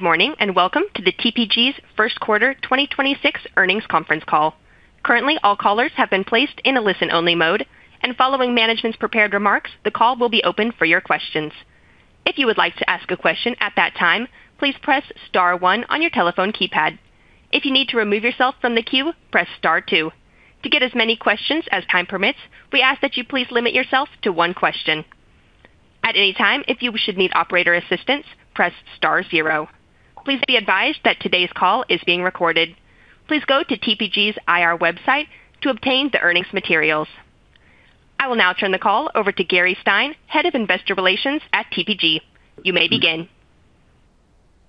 Good morning, and welcome to the TPG's first quarter 2026 earnings conference call. Currently, all callers have been placed in a listen-only mode, and following management's prepared remarks, the call will be open for your questions. If you would like to ask a question at that time, please press star one on your telephone keypad. If you need to remove yourself from the queue, press star two. To get as many questions as time permits, we ask that you please limit yourself to one question. At any time, if you should need operator assistance, press star zero. Please be advised that today's call is being recorded. Please go to TPG's IR website to obtain the earnings materials. I will now turn the call over to Gary Stein, Head of Investor Relations at TPG. You may begin.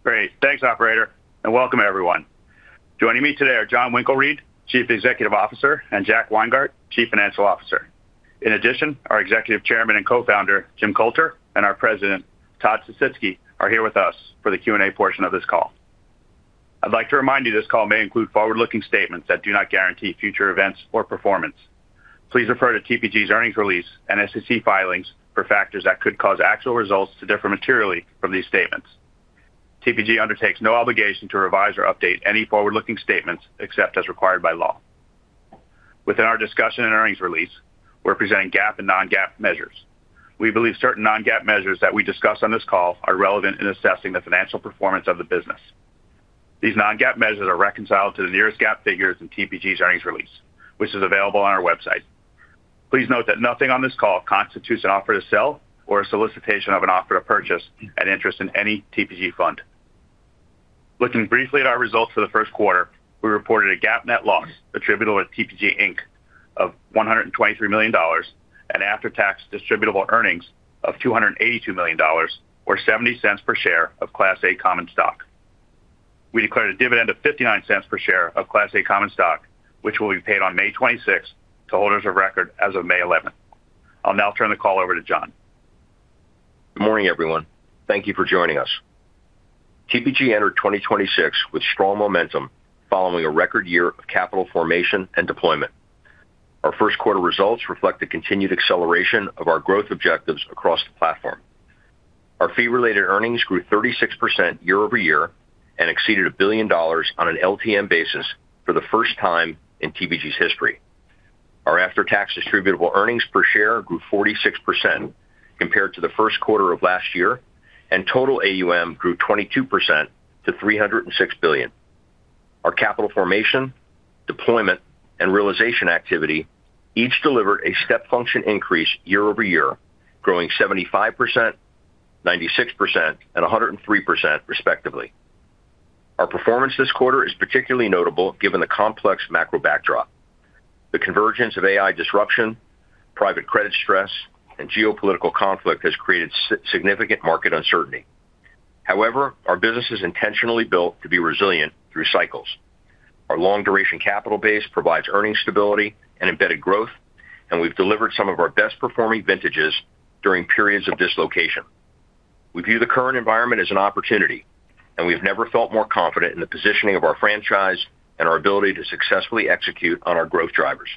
Great. Thanks, operator, and welcome everyone. Joining me today are Jon Winkelried, Chief Executive Officer, and Jack Weingart, Chief Financial Officer. In addition, our Executive Chairman and Co-founder, Jim Coulter, and our President, Todd Sisitsky, are here with us for the Q&A portion of this call. I'd like to remind you this call may include forward-looking statements that do not guarantee future events or performance. Please refer to TPG's earnings release and SEC filings for factors that could cause actual results to differ materially from these statements. TPG undertakes no obligation to revise or update any forward-looking statements except as required by law. Within our discussion and earnings release, we're presenting GAAP and non-GAAP measures. We believe certain non-GAAP measures that we discuss on this call are relevant in assessing the financial performance of the business. These non-GAAP measures are reconciled to the nearest GAAP figures in TPG's earnings release, which is available on our website. Please note that nothing on this call constitutes an offer to sell or a solicitation of an offer to purchase an interest in any TPG fund. Looking briefly at our results for the first quarter, we reported a GAAP net loss attributable to TPG Inc. of $123 million and after-tax distributable earnings of $282 million or $0.70 per share of Class A common stock. We declared a dividend of $0.59 per share of Class A common stock, which will be paid on May 26 to holders of record as of May 11. I'll now turn the call over to Jon. Good morning, everyone. Thank you for joining us. TPG entered 2026 with strong momentum following a record year of capital formation and deployment. Our first quarter results reflect the continued acceleration of our growth objectives across the platform. Our fee-related earnings grew 36% year-over-year and exceeded $1 billion on an LTM basis for the first time in TPG's history. Our after-tax distributable earnings per share grew 46% compared to the first quarter of last year. Total AUM grew 22% to $306 billion. Our capital formation, deployment, and realization activity each delivered a step function increase year-over-year, growing 75%, 96%, and 103% respectively. Our performance this quarter is particularly notable given the complex macro backdrop. The convergence of AI disruption, private credit stress, and geopolitical conflict has created significant market uncertainty. However, our business is intentionally built to be resilient through cycles. Our long-duration capital base provides earning stability and embedded growth. We've delivered some of our best-performing vintages during periods of dislocation. We view the current environment as an opportunity. We've never felt more confident in the positioning of our franchise and our ability to successfully execute on our growth drivers.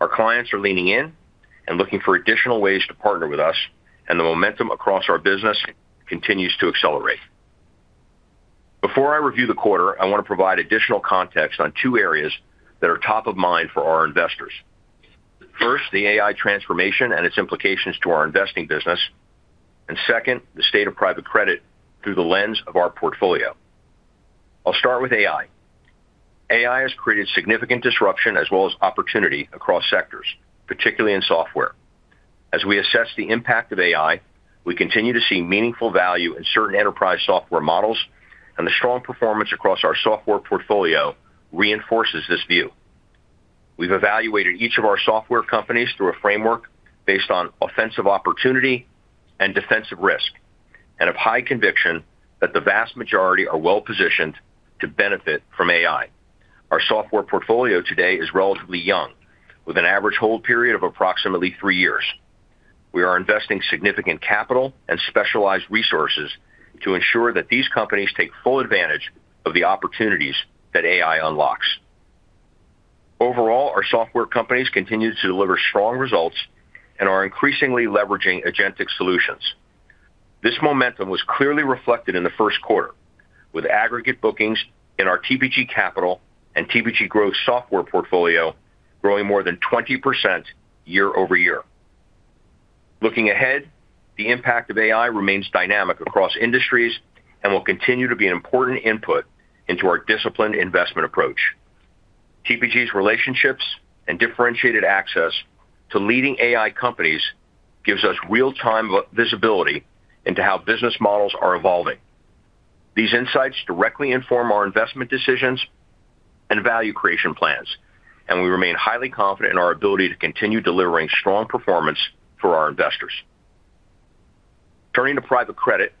Our clients are leaning in and looking for additional ways to partner with us. The momentum across our business continues to accelerate. Before I review the quarter, I wanna provide additional context on two areas that are top of mind for our investors. First, the AI transformation and its implications to our investing business, and second, the state of private credit through the lens of our portfolio. I'll start with AI. AI has created significant disruption as well as opportunity across sectors, particularly in software. As we assess the impact of AI, we continue to see meaningful value in certain enterprise software models, and the strong performance across our software portfolio reinforces this view. We've evaluated each of our software companies through a framework based on offensive opportunity and defensive risk and have high conviction that the vast majority are well-positioned to benefit from AI. Our software portfolio today is relatively young, with an average hold period of approximately three years. We are investing significant capital and specialized resources to ensure that these companies take full advantage of the opportunities that AI unlocks. Overall, our software companies continue to deliver strong results and are increasingly leveraging agentic solutions. This momentum was clearly reflected in the first quarter, with aggregate bookings in our TPG Capital and TPG Growth software portfolio growing more than 20% year-over-year. Looking ahead, the impact of AI remains dynamic across industries and will continue to be an important input into our disciplined investment approach. TPG's relationships and differentiated access to leading AI companies gives us real-time visibility into how business models are evolving. These insights directly inform our investment decisions and value creation plans, and we remain highly confident in our ability to continue delivering strong performance for our investors. Turning to private credit.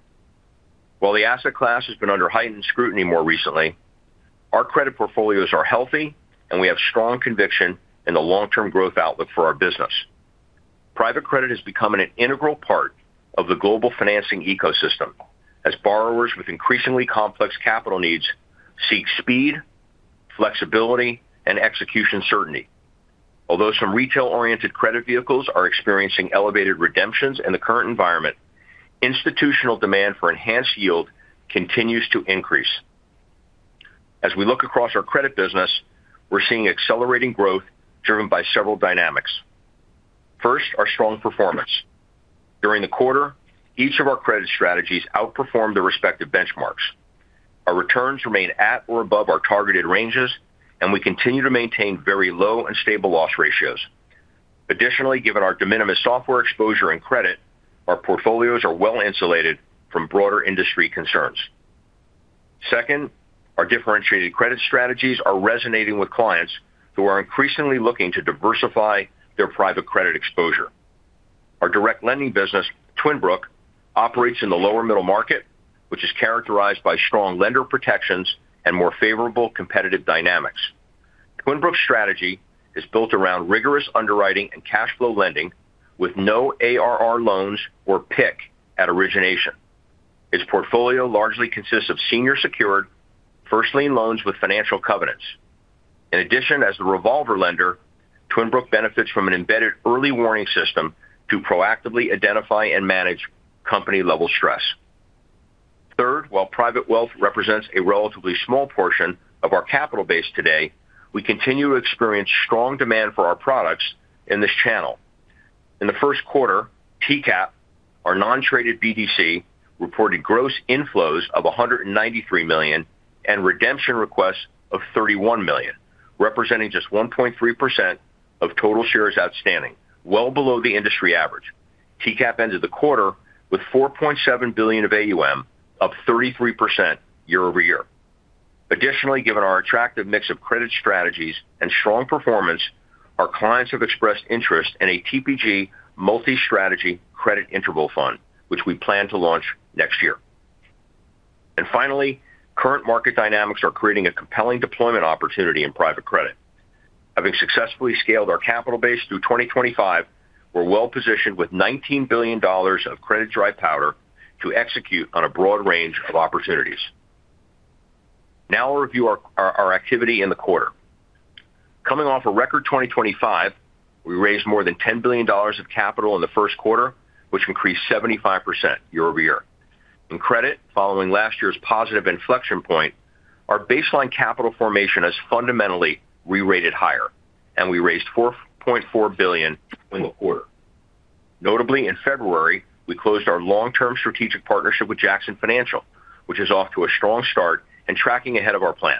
While the asset class has been under heightened scrutiny more recently, our credit portfolios are healthy, and we have strong conviction in the long-term growth outlook for our business. Private credit is becoming an integral part of the global financing ecosystem as borrowers with increasingly complex capital needs seek speed, flexibility, and execution certainty. Although some retail-oriented credit vehicles are experiencing elevated redemptions in the current environment, institutional demand for enhanced yield continues to increase. As we look across our credit business, we're seeing accelerating growth driven by several dynamics. First, our strong performance. During the quarter, each of our credit strategies outperformed their respective benchmarks. Our returns remain at or above our targeted ranges, and we continue to maintain very low and stable loss ratios. Additionally, given our de minimis software exposure and credit, our portfolios are well-insulated from broader industry concerns. Second, our differentiated credit strategies are resonating with clients who are increasingly looking to diversify their private credit exposure. Our direct lending business, Twin Brook, operates in the lower middle market, which is characterized by strong lender protections and more favorable competitive dynamics. Twin Brook's strategy is built around rigorous underwriting and cash flow lending with no ARR loans or pick at origination. Its portfolio largely consists of senior secured first lien loans with financial covenants. In addition, as the revolver lender, Twin Brook benefits from an embedded early warning system to proactively identify and manage company-level stress. Third, while private wealth represents a relatively small portion of our capital base today, we continue to experience strong demand for our products in this channel. In the first quarter, TCAP, our non-traded BDC, reported gross inflows of $193 million and redemption requests of $31 million, representing just 1.3% of total shares outstanding, well below the industry average. TCAP ended the quarter with $4.7 billion of AUM, up 33% year-over-year. Additionally, given our attractive mix of credit strategies and strong performance, our clients have expressed interest in a TPG multi-strategy credit interval fund, which we plan to launch next year. Finally, current market dynamics are creating a compelling deployment opportunity in private credit. Having successfully scaled our capital base through 2025, we're well-positioned with $19 billion of credit-dry powder to execute on a broad range of opportunities. We'll review our activity in the quarter. Coming off a record 2025, we raised more than $10 billion of capital in the first quarter, which increased 75% year-over-year. In credit, following last year's positive inflection point, our baseline capital formation has fundamentally rerated higher, and we raised $4.4 billion in the quarter. Notably, in February, we closed our long-term strategic partnership with Jackson Financial, which is off to a strong start and tracking ahead of our plan.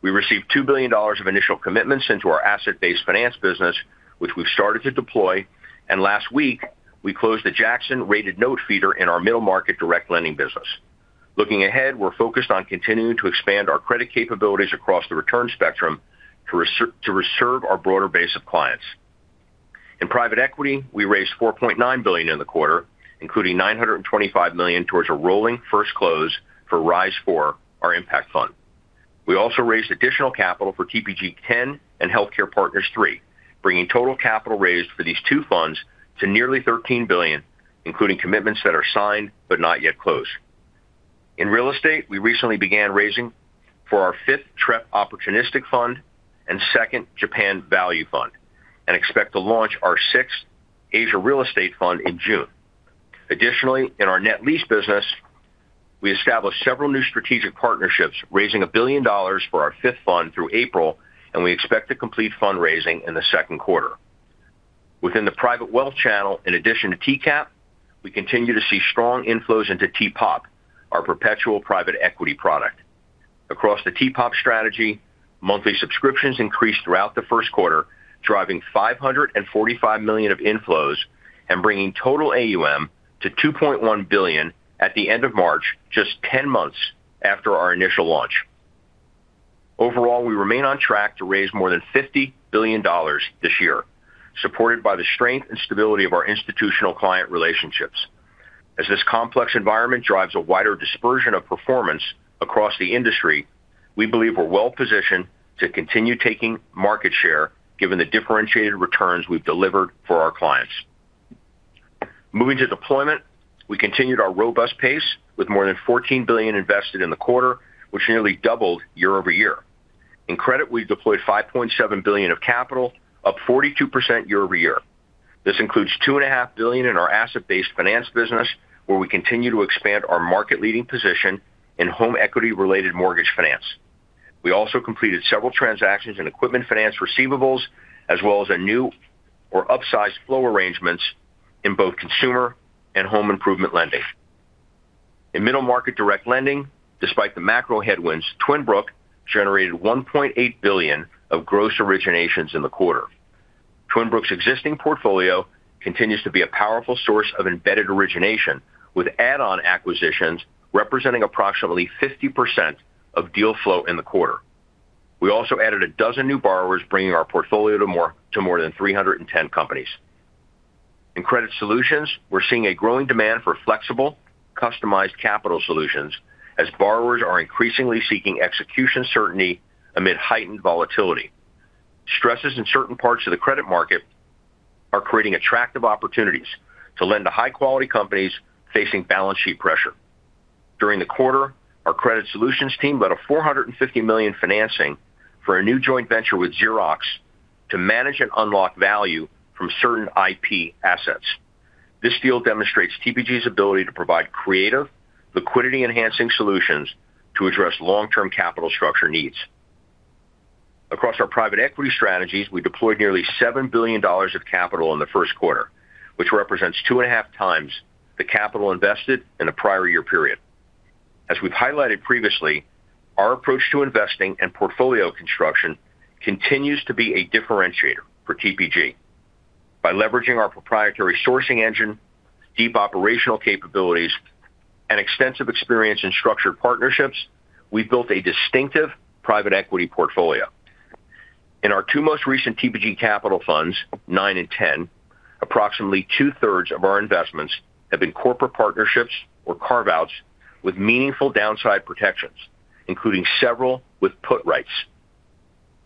We received $2 billion of initial commitments into our asset-based finance business, which we've started to deploy. Last week, we closed the Jackson-rated note feeder in our middle market direct lending business. Looking ahead, we're focused on continuing to expand our credit capabilities across the return spectrum to reserve our broader base of clients. In private equity, we raised $4.9 billion in the quarter, including $925 million towards a rolling first close for The Rise Fund IV, our impact fund. We also raised additional capital for TPG Partners X and TPG Healthcare Partners III, bringing total capital raised for these two funds to nearly $13 billion, including commitments that are signed but not yet closed. In real estate, we recently began raising for our fifth TREP Opportunistic Fund and second Japan Value Fund and expect to launch our sixth TPG Asia Real Estate Fund in June. Additionally, in our net lease business, we established several new strategic partnerships, raising $1 billion for our fifth fund through April, and we expect to complete fundraising in the second quarter. Within the private wealth channel, in addition to TCAP, we continue to see strong inflows into T-POP, our perpetual private equity product. Across the T-POP strategy, monthly subscriptions increased throughout the first quarter, driving $545 million of inflows and bringing total AUM to $2.1 billion at the end of March, just 10 months after our initial launch. Overall, we remain on track to raise more than $50 billion this year, supported by the strength and stability of our institutional client relationships. As this complex environment drives a wider dispersion of performance across the industry, we believe we're well-positioned to continue taking market share given the differentiated returns we've delivered for our clients. Moving to deployment, we continued our robust pace with more than $14 billion invested in the quarter, which nearly doubled year-over-year. In credit, we've deployed $5.7 billion of capital, up 42% year-over-year. This includes $2.5 billion in our Asset Based Finance business, where we continue to expand our market-leading position in home equity-related mortgage finance. We also completed several transactions in equipment finance receivables, as well as a new or upsized flow arrangements in both consumer and home improvement lending. In middle market direct lending, despite the macro headwinds, Twin Brook generated $1.8 billion of gross originations in the quarter. Twin Brook's existing portfolio continues to be a powerful source of embedded origination, with add-on acquisitions representing approximately 50% of deal flow in the quarter. We also added a dozen new borrowers, bringing our portfolio to more than 310 companies. In credit solutions, we're seeing a growing demand for flexible, customized capital solutions as borrowers are increasingly seeking execution certainty amid heightened volatility. Stresses in certain parts of the credit market, creating attractive opportunities to lend to high-quality companies facing balance sheet pressure. During the quarter, our credit solutions team led a $450 million financing for a new joint venture with Xerox to manage and unlock value from certain IP assets. This deal demonstrates TPG's ability to provide creative, liquidity-enhancing solutions to address long-term capital structure needs. Across our private equity strategies, we deployed nearly $7 billion of capital in the first quarter, which represents 2.5x the capital invested in the prior year period. As we've highlighted previously, our approach to investing and portfolio construction continues to be a differentiator for TPG. By leveraging our proprietary sourcing engine, deep operational capabilities, and extensive experience in structured partnerships, we've built a distinctive private equity portfolio. In our two most recent TPG Capital funds, nine and 10, approximately 2/3 of our investments have been corporate partnerships or carve-outs with meaningful downside protections, including several with put rights.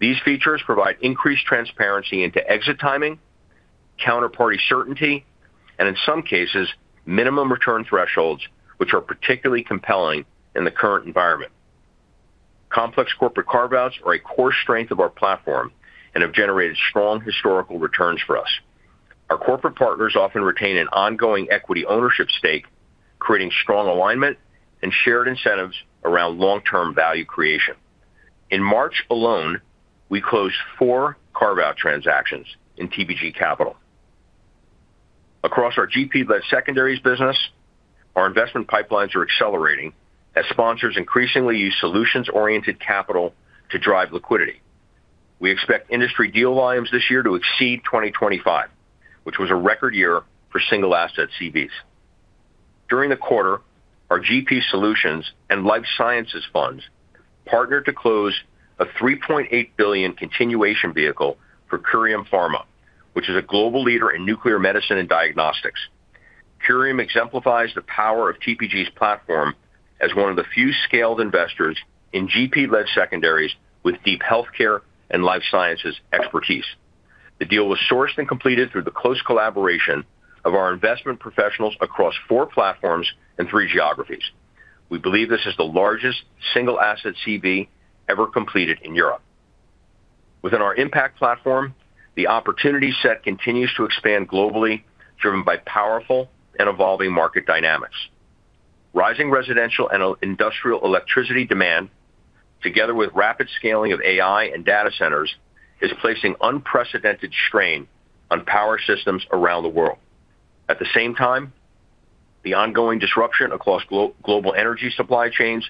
These features provide increased transparency into exit timing, counterparty certainty, and in some cases, minimum return thresholds, which are particularly compelling in the current environment. Complex corporate carve-outs are a core strength of our platform and have generated strong historical returns for us. Our corporate partners often retain an ongoing equity ownership stake, creating strong alignment and shared incentives around long-term value creation. In March alone, we closed four carve-out transactions in TPG Capital. Across our GP-led secondaries business, our investment pipelines are accelerating as sponsors increasingly use solutions-oriented capital to drive liquidity. We expect industry deal volumes this year to exceed 2025, which was a record year for single-asset CVs. During the quarter, our GP Solutions and Life Sciences funds partnered to close a $3.8 billion continuation vehicle for Curium Pharma, which is a global leader in nuclear medicine and diagnostics. Curium exemplifies the power of TPG's platform as one of the few scaled investors in GP-led secondaries with deep healthcare and life sciences expertise. The deal was sourced and completed through the close collaboration of our investment professionals across four platforms and three geographies. We believe this is the largest single-asset CV ever completed in Europe. Within our impact platform, the opportunity set continues to expand globally, driven by powerful and evolving market dynamics. Rising residential and industrial electricity demand, together with rapid scaling of AI and data centers, is placing unprecedented strain on power systems around the world. At the same time, the ongoing disruption across global energy supply chains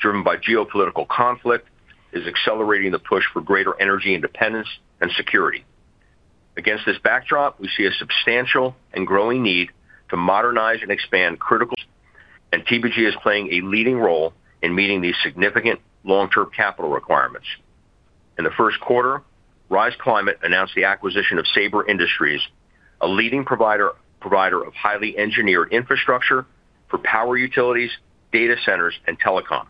driven by geopolitical conflict is accelerating the push for greater energy independence and security. Against this backdrop, we see a substantial and growing need to modernize and expand critical, and TPG is playing a leading role in meeting these significant long-term capital requirements. In the first quarter, TPG Rise Climate announced the acquisition of Sabre Industries, a leading provider of highly engineered infrastructure for power utilities, data centers, and telecom.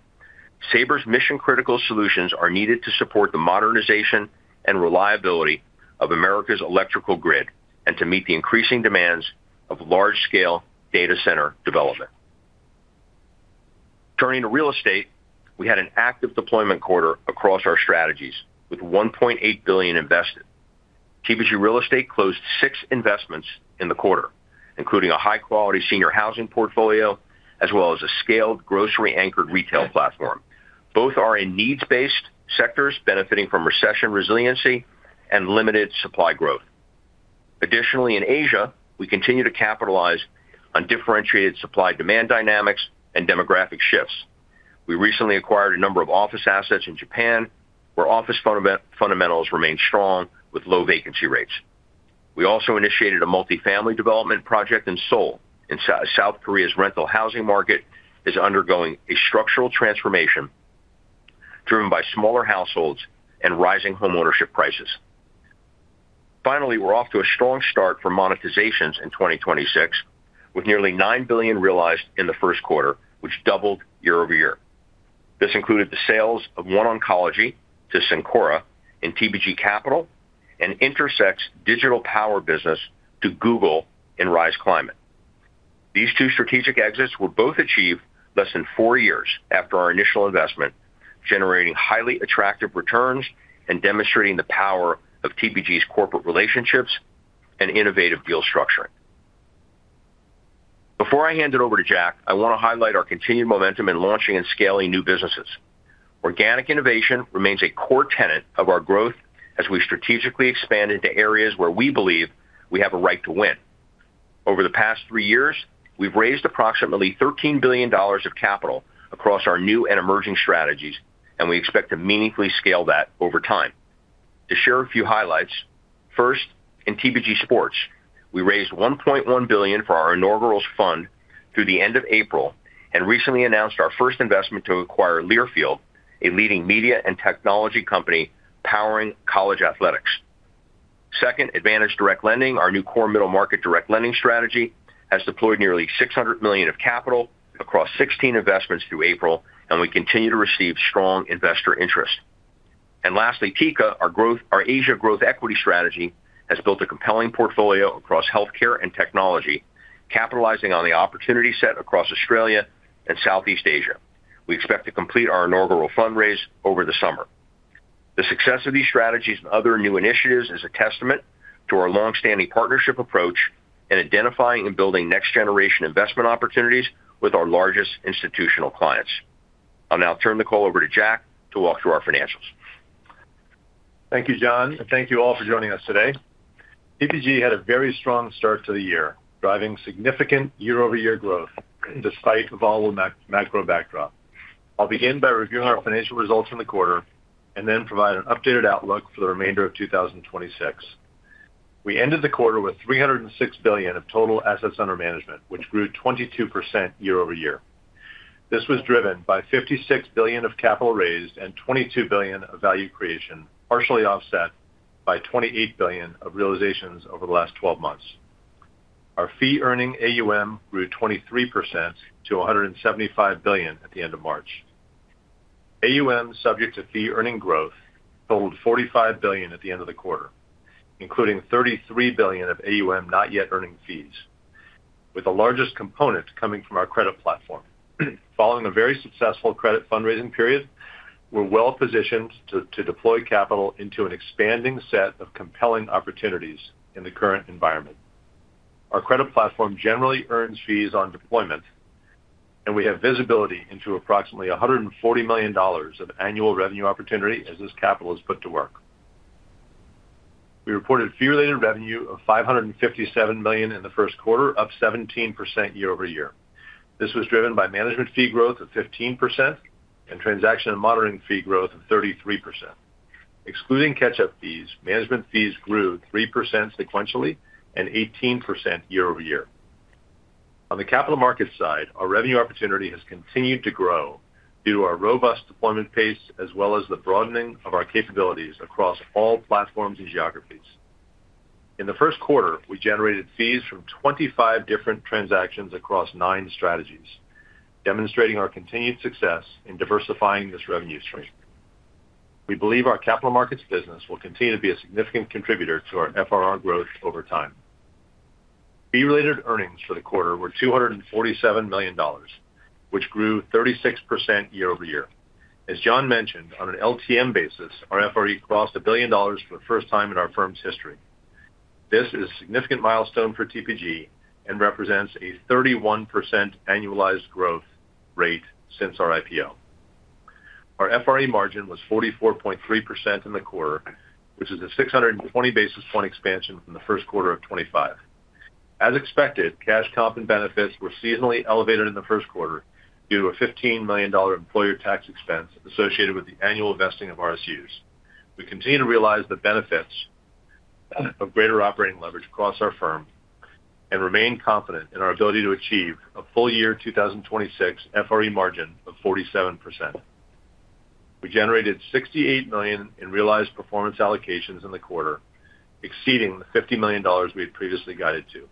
Sabre's mission-critical solutions are needed to support the modernization and reliability of America's electrical grid and to meet the increasing demands of large-scale data center development. Turning to real estate, we had an active deployment quarter across our strategies with $1.8 billion invested. TPG Real Estate closed six investments in the quarter, including a high-quality senior housing portfolio as well as a scaled grocery-anchored retail platform. Both are in needs-based sectors benefiting from recession resiliency and limited supply growth. In Asia, we continue to capitalize on differentiated supply-demand dynamics and demographic shifts. We recently acquired a number of office assets in Japan, where office fundamentals remain strong with low vacancy rates. We also initiated a multifamily development project in Seoul. South Korea's rental housing market is undergoing a structural transformation driven by smaller households and rising homeownership prices. We're off to a strong start for monetizations in 2026, with nearly $9 billion realized in the first quarter, which doubled year-over-year. This included the sales of OneOncology to Cencora in TPG Capital and Intersect's digital power business to Google in TPG Rise Climate. These two strategic exits were both achieved less than four years after our initial investment, generating highly attractive returns and demonstrating the power of TPG's corporate relationships and innovative deal structuring. Before I hand it over to Jack, I want to highlight our continued momentum in launching and scaling new businesses. Organic innovation remains a core tenet of our growth as we strategically expand into areas where we believe we have a right to win. Over the past three years, we've raised approximately $13 billion of capital across our new and emerging strategies, and we expect to meaningfully scale that over time. To share a few highlights, first, in TPG Sports, we raised $1.1 billion for our inaugural fund through the end of April and recently announced our first investment to acquire Learfield, a leading media and technology company powering college athletics. Second, Advantage Direct Lending, our new core middle-market direct lending strategy, has deployed nearly $600 million of capital across 16 investments through April, and we continue to receive strong investor interest. Lastly, TICA, our Asia growth equity strategy, has built a compelling portfolio across healthcare and technology, capitalizing on the opportunity set across Australia and Southeast Asia. We expect to complete our inaugural fundraise over the summer. The success of these strategies and other new initiatives is a testament to our long-standing partnership approach in identifying and building next-generation investment opportunities with our largest institutional clients. I'll now turn the call over to Jack to walk through our financials. Thank you, Jon, and thank you all for joining us today. TPG had a very strong start to the year, driving significant year-over-year growth despite the volatile macro backdrop. I'll begin by reviewing our financial results from the quarter and then provide an updated outlook for the remainder of 2026. We ended the quarter with $306 billion of total assets under management, which grew 22% year-over-year. This was driven by $56 billion of capital raised and $22 billion of value creation, partially offset by $28 billion of realizations over the last 12 months. Our fee-earning AUM grew 23% to $175 billion at the end of March. AUM subject to fee-earning growth totaled $45 billion at the end of the quarter, including $33 billion of AUM not yet earning fees, with the largest component coming from our credit platform. Following a very successful credit fundraising period, we're well-positioned to deploy capital into an expanding set of compelling opportunities in the current environment. Our credit platform generally earns fees on deployment, and we have visibility into approximately $140 million of annual revenue opportunity as this capital is put to work. We reported Fee-Related Revenue of $557 million in the first quarter, up 17% year-over-year. This was driven by management fee growth of 15% and transaction and monitoring fee growth of 33%. Excluding catch-up fees, management fees grew 3% sequentially and 18% year-over-year. On the capital markets side, our revenue opportunity has continued to grow due to our robust deployment pace as well as the broadening of our capabilities across all platforms and geographies. In the first quarter, we generated fees from 25 different transactions across nine strategies, demonstrating our continued success in diversifying this revenue stream. We believe our capital markets business will continue to be a significant contributor to our FRR growth over time. Fee-related earnings for the quarter were $247 million, which grew 36% year-over-year. As Jon mentioned, on an LTM basis, our FRE crossed $1 billion for the first time in our firm's history. This is a significant milestone for TPG and represents a 31% annualized growth rate since our IPO. Our FRE margin was 44.3% in the quarter, which is a 620 basis point expansion from the first quarter of 2025. As expected, cash comp and benefits were seasonally elevated in the first quarter due to a $15 million employer tax expense associated with the annual vesting of RSUs. We continue to realize the benefits of greater operating leverage across our firm and remain confident in our ability to achieve a full-year 2026 FRE margin of 47%. We generated $68 million in realized performance allocations in the quarter, exceeding the $50 million we had previously guided to.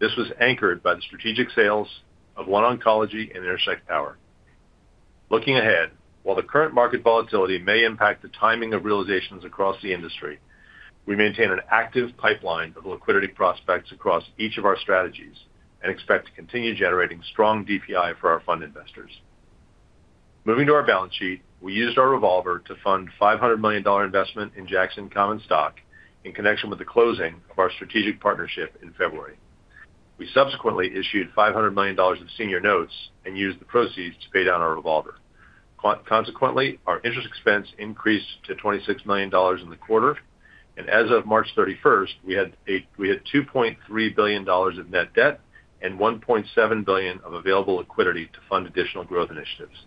This was anchored by the strategic sales of OneOncology and Intersect Power. Looking ahead, while the current market volatility may impact the timing of realizations across the industry, we maintain an active pipeline of liquidity prospects across each of our strategies and expect to continue generating strong DPI for our fund investors. Moving to our balance sheet, we used our revolver to fund $500 million investment in Jackson common stock in connection with the closing of our strategic partnership in February. We subsequently issued $500 million of senior notes and used the proceeds to pay down our revolver. Consequently, our interest expense increased to $26 million in the quarter. As of March 31st, we had $2.3 billion of net debt and $1.7 billion of available liquidity to fund additional growth initiatives.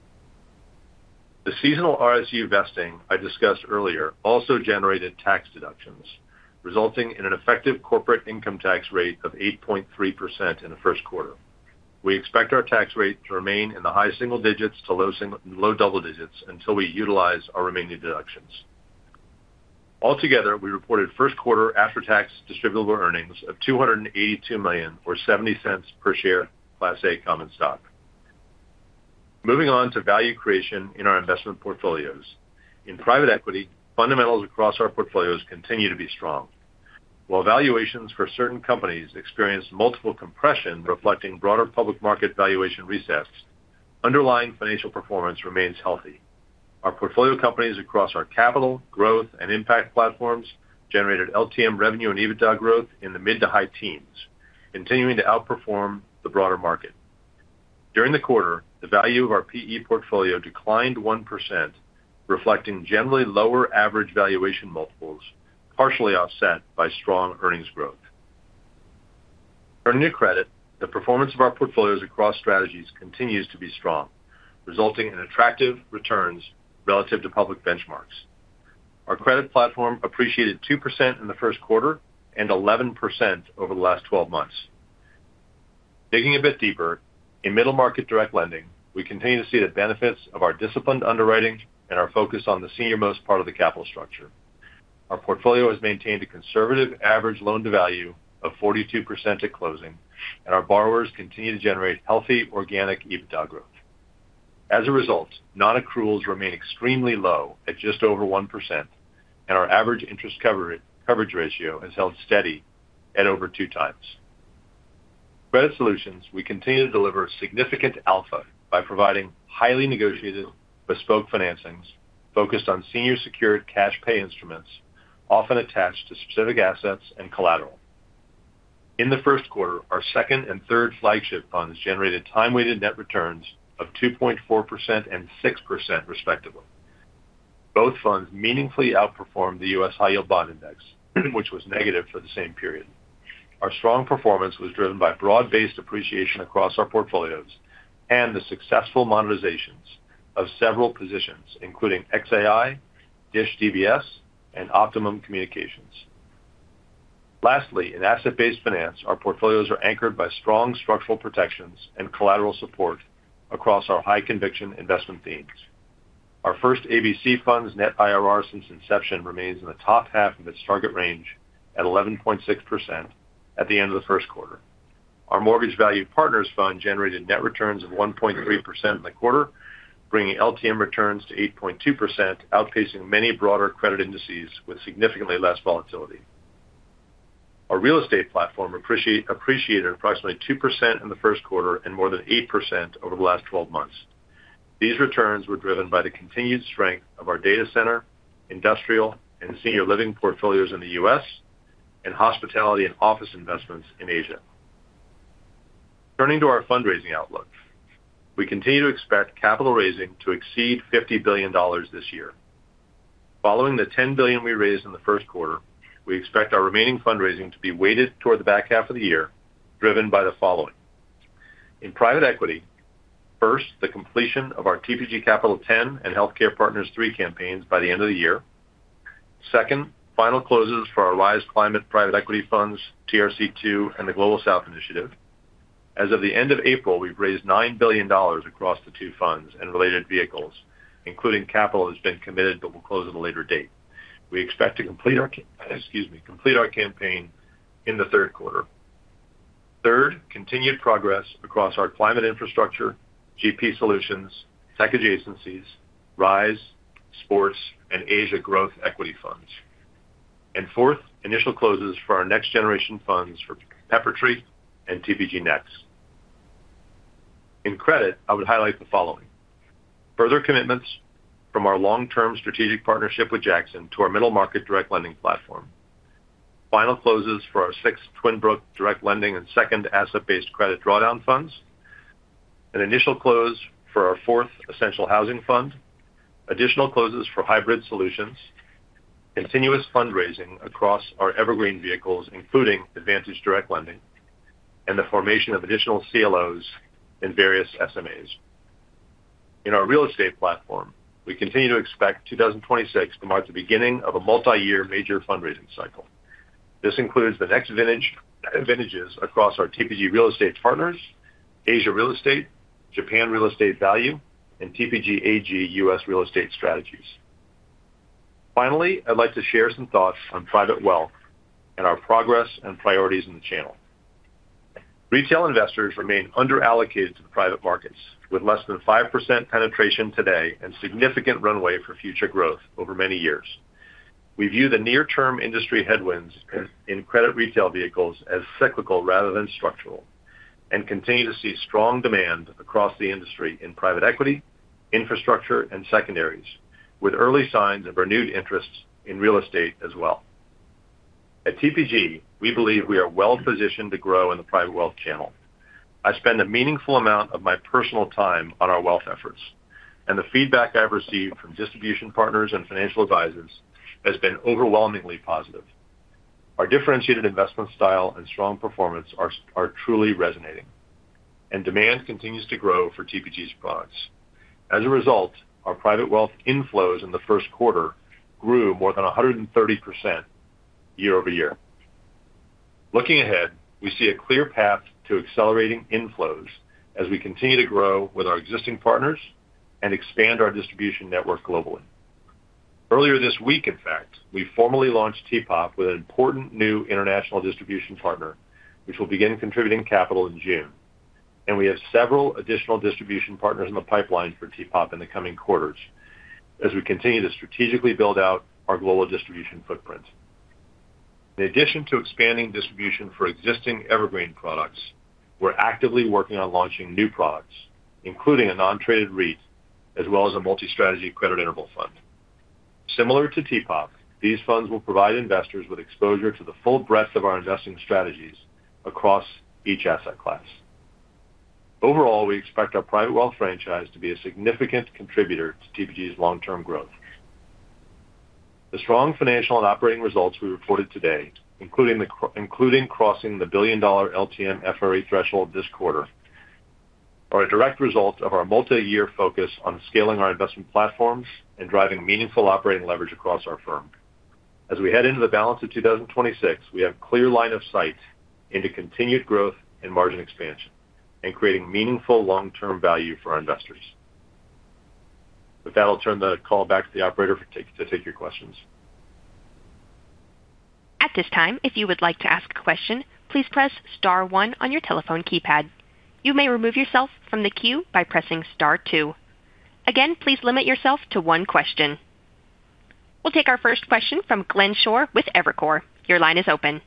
The seasonal RSU vesting I discussed earlier also generated tax deductions, resulting in an effective corporate income tax rate of 8.3% in the first quarter. We expect our tax rate to remain in the high single digits to low double digits until we utilize our remaining deductions. Altogether, we reported first quarter after-tax distributable earnings of $282 million, or $0.70 per share, Class A common stock. Moving on to value creation in our investment portfolios. In private equity, fundamentals across our portfolios continue to be strong. While valuations for certain companies experience multiple compression reflecting broader public market valuation resets, underlying financial performance remains healthy. Our portfolio companies across our capital, growth, and impact platforms generated LTM revenue and EBITDA growth in the mid to high teens, continuing to outperform the broader market. During the quarter, the value of our PE portfolio declined 1%, reflecting generally lower average valuation multiples, partially offset by strong earnings growth. Turning to credit, the performance of our portfolios across strategies continues to be strong, resulting in attractive returns relative to public benchmarks. Our credit platform appreciated 2% in the first quarter and 11% over the last 12 months. Digging a bit deeper, in middle market direct lending, we continue to see the benefits of our disciplined underwriting and our focus on the senior-most part of the capital structure. Our portfolio has maintained a conservative average loan-to-value of 42% at closing, and our borrowers continue to generate healthy organic EBITDA growth. As a result, non-accruals remain extremely low at just over 1%, and our average interest coverage ratio has held steady at over 2x. Credit solutions, we continue to deliver significant alpha by providing highly negotiated bespoke financings focused on senior secured cash pay instruments, often attached to specific assets and collateral. In the first quarter, our second and third flagship funds generated time-weighted net returns of 2.4% and 6% respectively. Both funds meaningfully outperformed the US High-Yield Bond Index, which was negative for the same period. Our strong performance was driven by broad-based appreciation across our portfolios and the successful monetizations of several positions, including XAI, DISH DBS, and Optimum Communications. Lastly, in asset-based finance, our portfolios are anchored by strong structural protections and collateral support across our high conviction investment themes. Our first ABC fund's net IRR since inception remains in the top half of its target range at 11.6% at the end of the first quarter. Our mortgage valued partners fund generated net returns of 1.3% in the quarter, bringing LTM returns to 8.2%, outpacing many broader credit indices with significantly less volatility. Our real estate platform appreciated approximately 2% in the first quarter and more than 8% over the last 12 months. These returns were driven by the continued strength of our data center, industrial, and senior living portfolios in the U.S., and hospitality and office investments in Asia. Turning to our fundraising outlook. We continue to expect capital raising to exceed $50 billion this year. Following the $10 billion we raised in the first quarter, we expect our remaining fundraising to be weighted toward the back half of the year, driven by the following. In private equity, first, the completion of our TPG Capital X and Healthcare Partners III campaigns by the end of the year. Second, final closes for our TPG Rise Climate private equity funds, TRC II, and the Global South Initiative. As of the end of April, we've raised $9 billion across the two funds and related vehicles, including capital that has been committed but will close at a later date. We expect to complete our, excuse me, complete our campaign in the third quarter. Third, continued progress across our climate infrastructure, GP Solutions, tech adjacencies, Rise, Sports, and Asia growth equity funds. Fourth, initial closes for our next generation funds for Peppertree and TPG Next. In credit, I would highlight the following: Further commitments from our long-term strategic partnership with Jackson to our middle market direct lending platform. Final closes for our sixth Twin Brook direct lending and second asset-based credit drawdown funds. An initial close for our Essential Housing Fund IV. Additional closes for Hybrid Solutions. Continuous fundraising across our evergreen vehicles, including Advantage Direct Lending, and the formation of additional CLOs in various SMAs. In our real estate platform, we continue to expect 2026 to mark the beginning of a multiyear major fundraising cycle. This includes the next vintage, vintages across our TPG Real Estate Partners, Asia Real Estate, Japan Realty Value, and TPG AG US Real Estate Strategies. Finally, I'd like to share some thoughts on private wealth and our progress and priorities in the channel. Retail investors remain under-allocated to the private markets with less than 5% penetration today and significant runway for future growth over many years. We view the near-term industry headwinds in credit retail vehicles as cyclical rather than structural and continue to see strong demand across the industry in private equity, infrastructure, and secondaries, with early signs of renewed interest in real estate as well. At TPG, we believe we are well-positioned to grow in the private wealth channel. I spend a meaningful amount of my personal time on our wealth efforts. The feedback I've received from distribution partners and financial advisors has been overwhelmingly positive. Our differentiated investment style and strong performance are truly resonating. Demand continues to grow for TPG's products. As a result, our private wealth inflows in the first quarter grew more than 130% year-over-year. Looking ahead, we see a clear path to accelerating inflows as we continue to grow with our existing partners and expand our distribution network globally. Earlier this week, in fact, we formally launched TPOP with an important new international distribution partner, which will begin contributing capital in June. We have several additional distribution partners in the pipeline for TPOP in the coming quarters as we continue to strategically build out our global distribution footprint. In addition to expanding distribution for existing evergreen products, we're actively working on launching new products, including a non-traded REIT, as well as a multi-strategy credit interval fund. Similar to TPOP, these funds will provide investors with exposure to the full breadth of our investing strategies across each asset class. Overall, we expect our private wealth franchise to be a significant contributor to TPG's long-term growth. The strong financial and operating results we reported today, including crossing the billion-dollar LTM FRE threshold this quarter, are a direct result of our multiyear focus on scaling our investment platforms and driving meaningful operating leverage across our firm. As we head into the balance of 2026, we have clear line of sight into continued growth and margin expansion and creating meaningful long-term value for our investors. With that, I'll turn the call back to the operator to take your questions. We'll take our first question from Glenn Schorr with Evercore. Your line is open.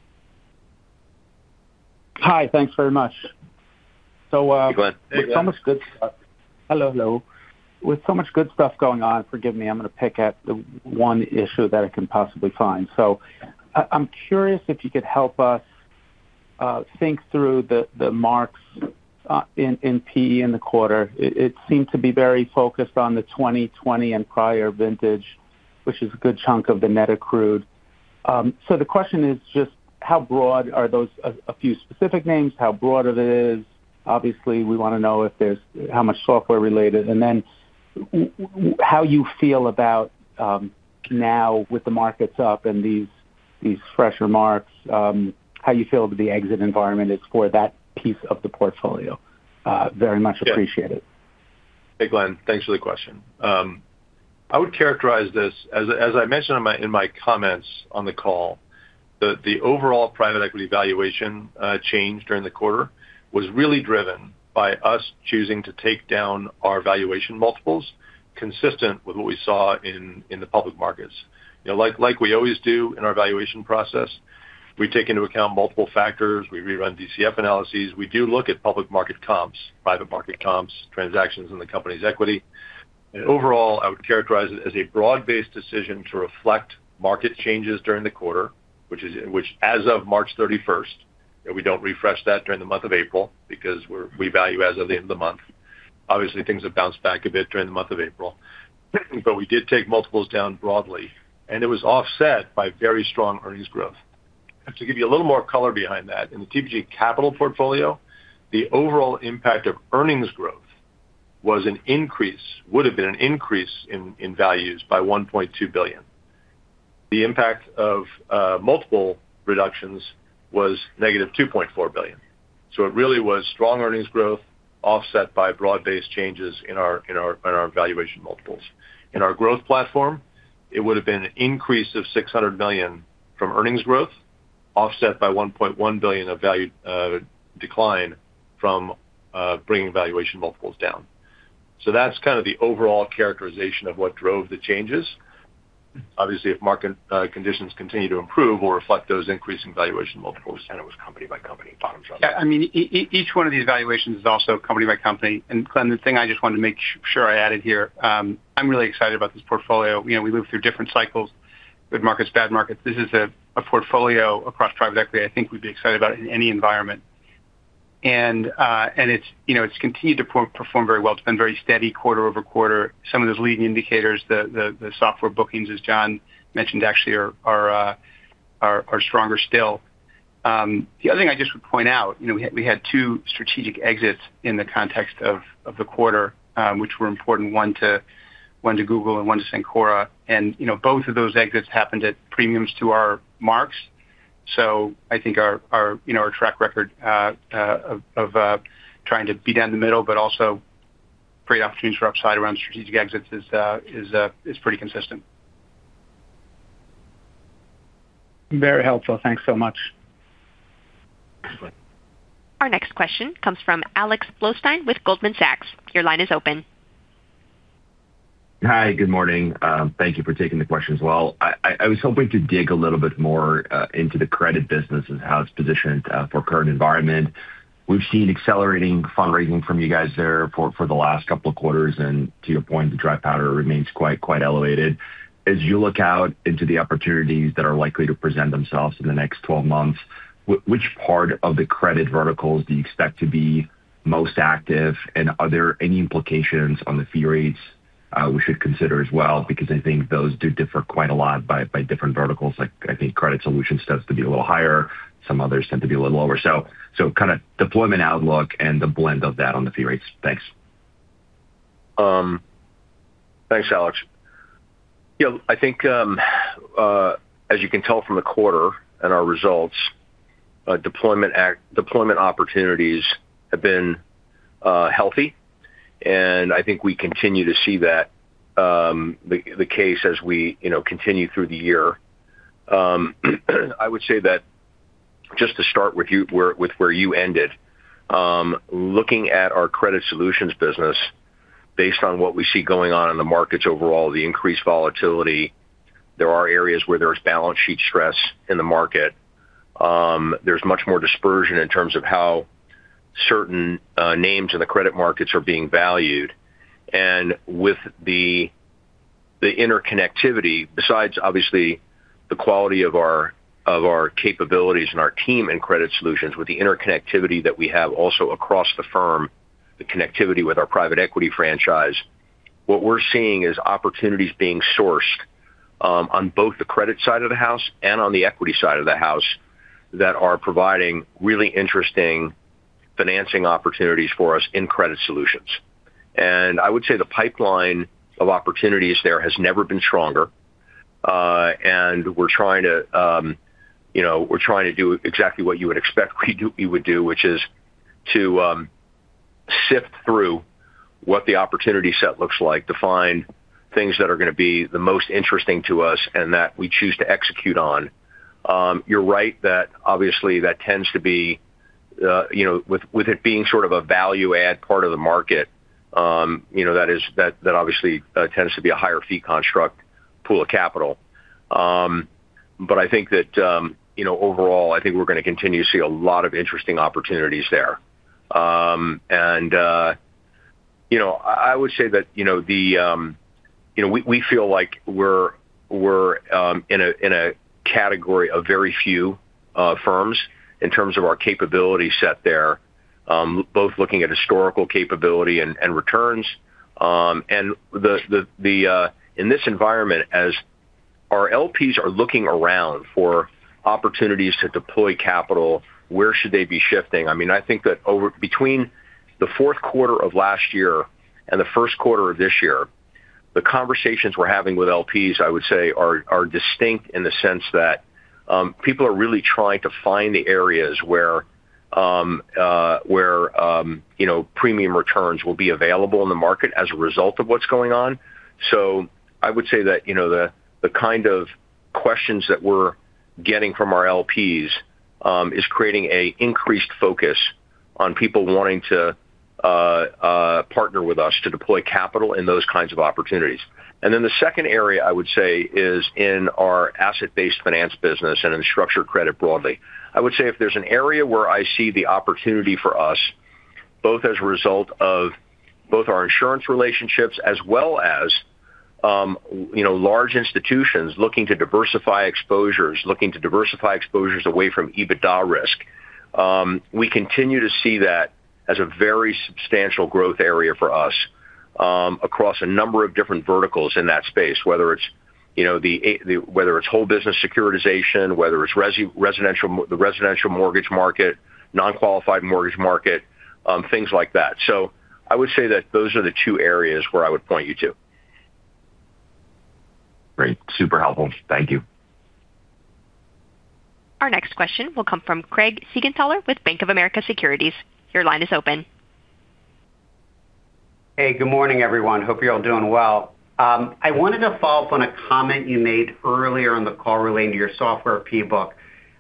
Hi. Thanks very much. Hey, Glenn. With so much good stuff going on, forgive me, I'm gonna pick at the one issue that I can possibly find. I'm curious if you could help us think through the marks in PE in the quarter. It seemed to be very focused on the 2020 and prior vintage, which is a good chunk of the net accrued. The question is just how broad are those. A few specific names, how broad it is. Obviously, we wanna know if there's how much software related. how you feel about now with the markets up and these fresh remarks, how you feel the exit environment is for that piece of the portfolio. Very much appreciate it. Hey, Glenn. Thanks for the question. I would characterize this, as I mentioned in my comments on the call, the overall private equity valuation change during the quarter was really driven by us choosing to take down our valuation multiples consistent with what we saw in the public markets. You know, like we always do in our valuation process, we take into account multiple factors. We rerun DCF analyses. We do look at public market comps, private market comps, transactions in the company's equity. Overall, I would characterize it as a broad-based decision to reflect market changes during the quarter, which as of March 31st, and we don't refresh that during the month of April because we value as of the end of the month. Obviously, things have bounced back a bit during the month of April. We did take multiples down broadly, and it was offset by very strong earnings growth. To give you a little more color behind that, in the TPG Capital portfolio, the overall impact of earnings growth would have been an increase in values by $1.2 billion. The impact of multiple reductions was negative $2.4 billion. It really was strong earnings growth offset by broad-based changes in our valuation multiples. In our growth platform, it would have been an increase of $600 million from earnings growth offset by $1.1 billion of value decline from bringing valuation multiples down. That's kind of the overall characterization of what drove the changes. If market conditions continue to improve, we'll reflect those increasing valuation multiples. It was company by company, bottom line. Yeah, I mean, each one of these valuations is also company by company. Glenn, the thing I just wanted to make sure I added here, I'm really excited about this portfolio. You know, we move through different cycles, good markets, bad markets. This is a portfolio across private equity I think we'd be excited about in any environment. And it's, you know, it's continued to perform very well. It's been very steady quarter-over-quarter. Some of those leading indicators, the software bookings, as Jon mentioned, actually are stronger still. The other thing I just would point out, you know, we had two strategic exits in the context of the quarter, which were important, one to Google and one to Cencora. You know, both of those exits happened at premiums to our marks. I think our, you know, our track record of trying to be down the middle but also create opportunities for upside around strategic exits is pretty consistent. Very helpful. Thanks so much. Thanks, Glenn. Our next question comes from Alex Blostein with Goldman Sachs. Your line is open. Hi. Good morning. Thank you for taking the question as well. I was hoping to dig a little bit more into the credit business and how it's positioned for current environment. We've seen accelerating fundraising from you guys there for the last couple of quarters. To your point, the dry powder remains quite elevated. As you look out into the opportunities that are likely to present themselves in the next 12 months, which part of the credit verticals do you expect to be most active? Are there any implications on the fee rates we should consider as well? I think those do differ quite a lot by different verticals. Like, I think Credit Solutions tends to be a little higher. Some others tend to be a little lower. Kinda deployment outlook and the blend of that on the fee rates. Thanks. Thanks, Alex. You know, I think as you can tell from the quarter and our results, deployment opportunities have been healthy. I think we continue to see that the case as we, you know, continue through the year. I would say that just to start with where you ended, looking at our credit solutions business based on what we see going on in the markets overall, the increased volatility, there are areas where there's balance sheet stress in the market. There's much more dispersion in terms of how certain names in the credit markets are being valued. With the interconnectivity, besides obviously the quality of our capabilities and our team in Credit Solutions, with the interconnectivity that we have also across the firm, the connectivity with our Private Equity franchise, what we're seeing is opportunities being sourced on both the credit side of the house and on the equity side of the house that are providing really interesting financing opportunities for us in Credit Solutions. I would say the pipeline of opportunities there has never been stronger. We're trying to, you know, we're trying to do exactly what you would expect we would do, which is to sift through what the opportunity set looks like to find things that are gonna be the most interesting to us and that we choose to execute on. You're right that obviously that tends to be, you know, with it being sort of a value add part of the market, you know, that is, that obviously tends to be a higher fee construct pool of capital. I think that, you know, overall, I think we're gonna continue to see a lot of interesting opportunities there. You know, I would say that, you know, the, you know, we feel like we're in a category of very few firms in terms of our capability set there, both looking at historical capability and returns. In this environment, as our LPs are looking around for opportunities to deploy capital, where should they be shifting? I mean, I think that between the fourth quarter of last year and the first quarter of this year, the conversations we're having with LPs, I would say are distinct in the sense that people are really trying to find the areas where, you know, premium returns will be available in the market as a result of what's going on. I would say that, you know, the kind of questions that we're getting from our LPs, is creating a increased focus on people wanting to partner with us to deploy capital in those kinds of opportunities. The second area I would say is in our asset-based finance business and in structured credit broadly. I would say if there's an area where I see the opportunity for us, both as a result of both our insurance relationships as well as, you know, large institutions looking to diversify exposures, looking to diversify exposures away from EBITDA risk, we continue to see that as a very substantial growth area for us, across a number of different verticals in that space, whether it's, you know, whole business securitization, whether it's the residential mortgage market, non-qualified mortgage market, things like that. I would say that those are the two areas where I would point you to. Great. Super helpful. Thank you. Our next question will come from Craig Siegenthaler with Bank of America Securities. Your line is open. Hey, good morning, everyone. Hope you're all doing well. I wanted to follow up on a comment you made earlier on the call relating to your software P book.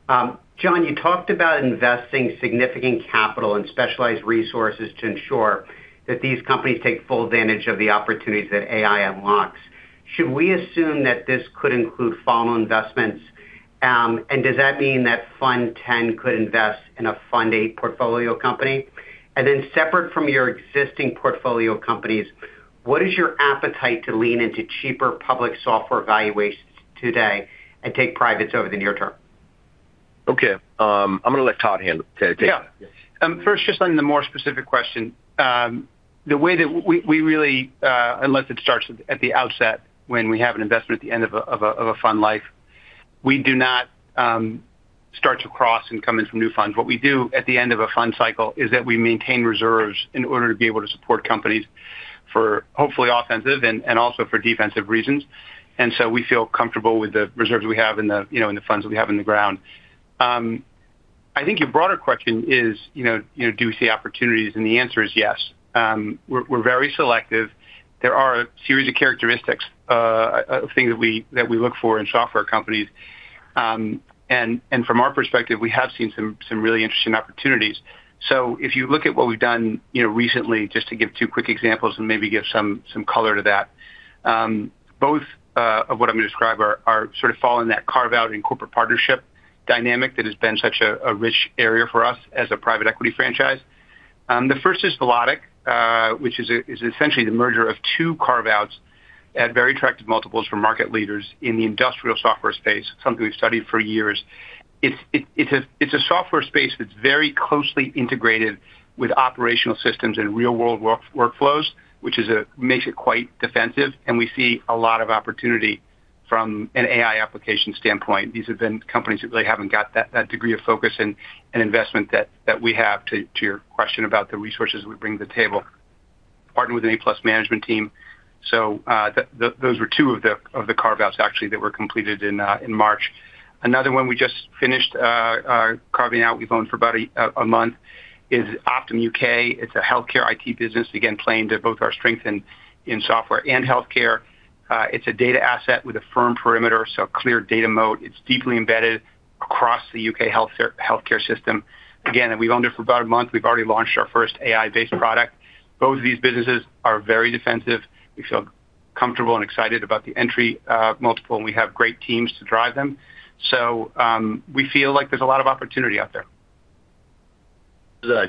Jon, you talked about investing significant capital and specialized resources to ensure that these companies take full advantage of the opportunities that AI unlocks. Should we assume that this could include follow-on investments? Does that mean that Fund X could invest in a Fund A portfolio company? Separate from your existing portfolio companies, what is your appetite to lean into cheaper public software valuations today and take privates over the near term? Okay. I'm gonna let Todd handle, take that. Yeah. First, just on the more specific question. The way that we really, unless it starts at the outset when we have an investment at the end of a fund life, we do not start to cross and come in from new funds. What we do at the end of a fund cycle is that we maintain reserves in order to be able to support companies for hopefully offensive and also for defensive reasons. So we feel comfortable with the reserves we have in the, you know, funds that we have in the ground. I think your broader question is, you know, do we see opportunities? The answer is yes. We're very selective. There are a series of characteristics, things that we look for in software companies. From our perspective, we have seen some really interesting opportunities. If you look at what we've done, you know, recently, just to give two quick examples and maybe give some color to that, both of what I'm gonna describe are sort of fall in that carve-out and corporate partnership dynamic that has been such a rich area for us as a private equity franchise. The first is Velotic, which is essentially the merger of two carve-outs at very attractive multiples from market leaders in the industrial software space, something we've studied for years. It's a software space that's very closely integrated with operational systems and real-world work-workflows, which makes it quite defensive, and we see a lot of opportunity from an AI application standpoint. These have been companies that really haven't got that degree of focus and investment that we have to your question about the resources we bring to the table. Partnered with an A-plus management team. Those were two of the carve-outs actually that were completed in March. Another one we just finished carving out, we've owned for about a month, is Optum UK. It's a healthcare IT business, again, playing to both our strength in software and healthcare. It's a data asset with a firm perimeter, so clear data moat. It's deeply embedded across the U.K. healthcare system. Again, we've owned it for about a month. We've already launched our first AI-based product. Both of these businesses are very defensive. We feel comfortable and excited about the entry multiple, and we have great teams to drive them. We feel like there's a lot of opportunity out there.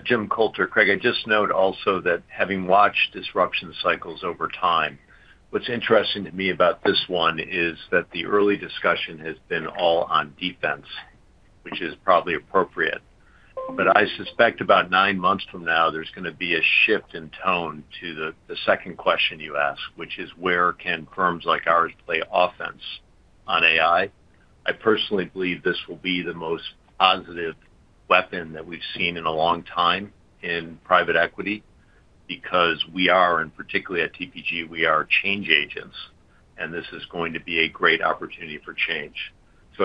Jim Coulter. Craig, I'd just note also that having watched disruption cycles over time, what's interesting to me about this one is that the early discussion has been all on defense, which is probably appropriate. I suspect about nine months from now, there's gonna be a shift in tone to the second question you ask, which is where can firms like ours play offense on AI? I personally believe this will be the most positive weapon that we've seen in a long time in private equity because we are, and particularly at TPG, we are change agents, and this is going to be a great opportunity for change.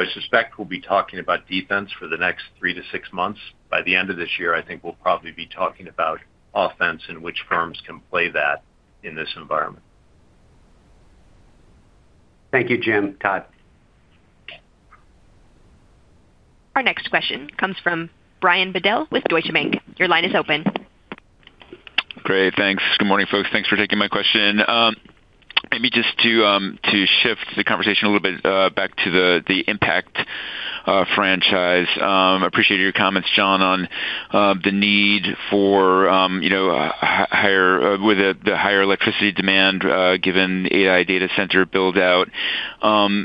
I suspect we'll be talking about defense for the next three to six months. By the end of this year, I think we'll probably be talking about offense and which firms can play that in this environment. Thank you, Jim and Todd. Our next question comes from Brian Bedell with Deutsche Bank. Your line is open. Great. Thanks. Good morning, folks. Thanks for taking my question. Maybe just to shift the conversation a little bit back to the impact franchise. Appreciate your comments, Jon, on the need for, you know, the higher electricity demand given AI data center build-out.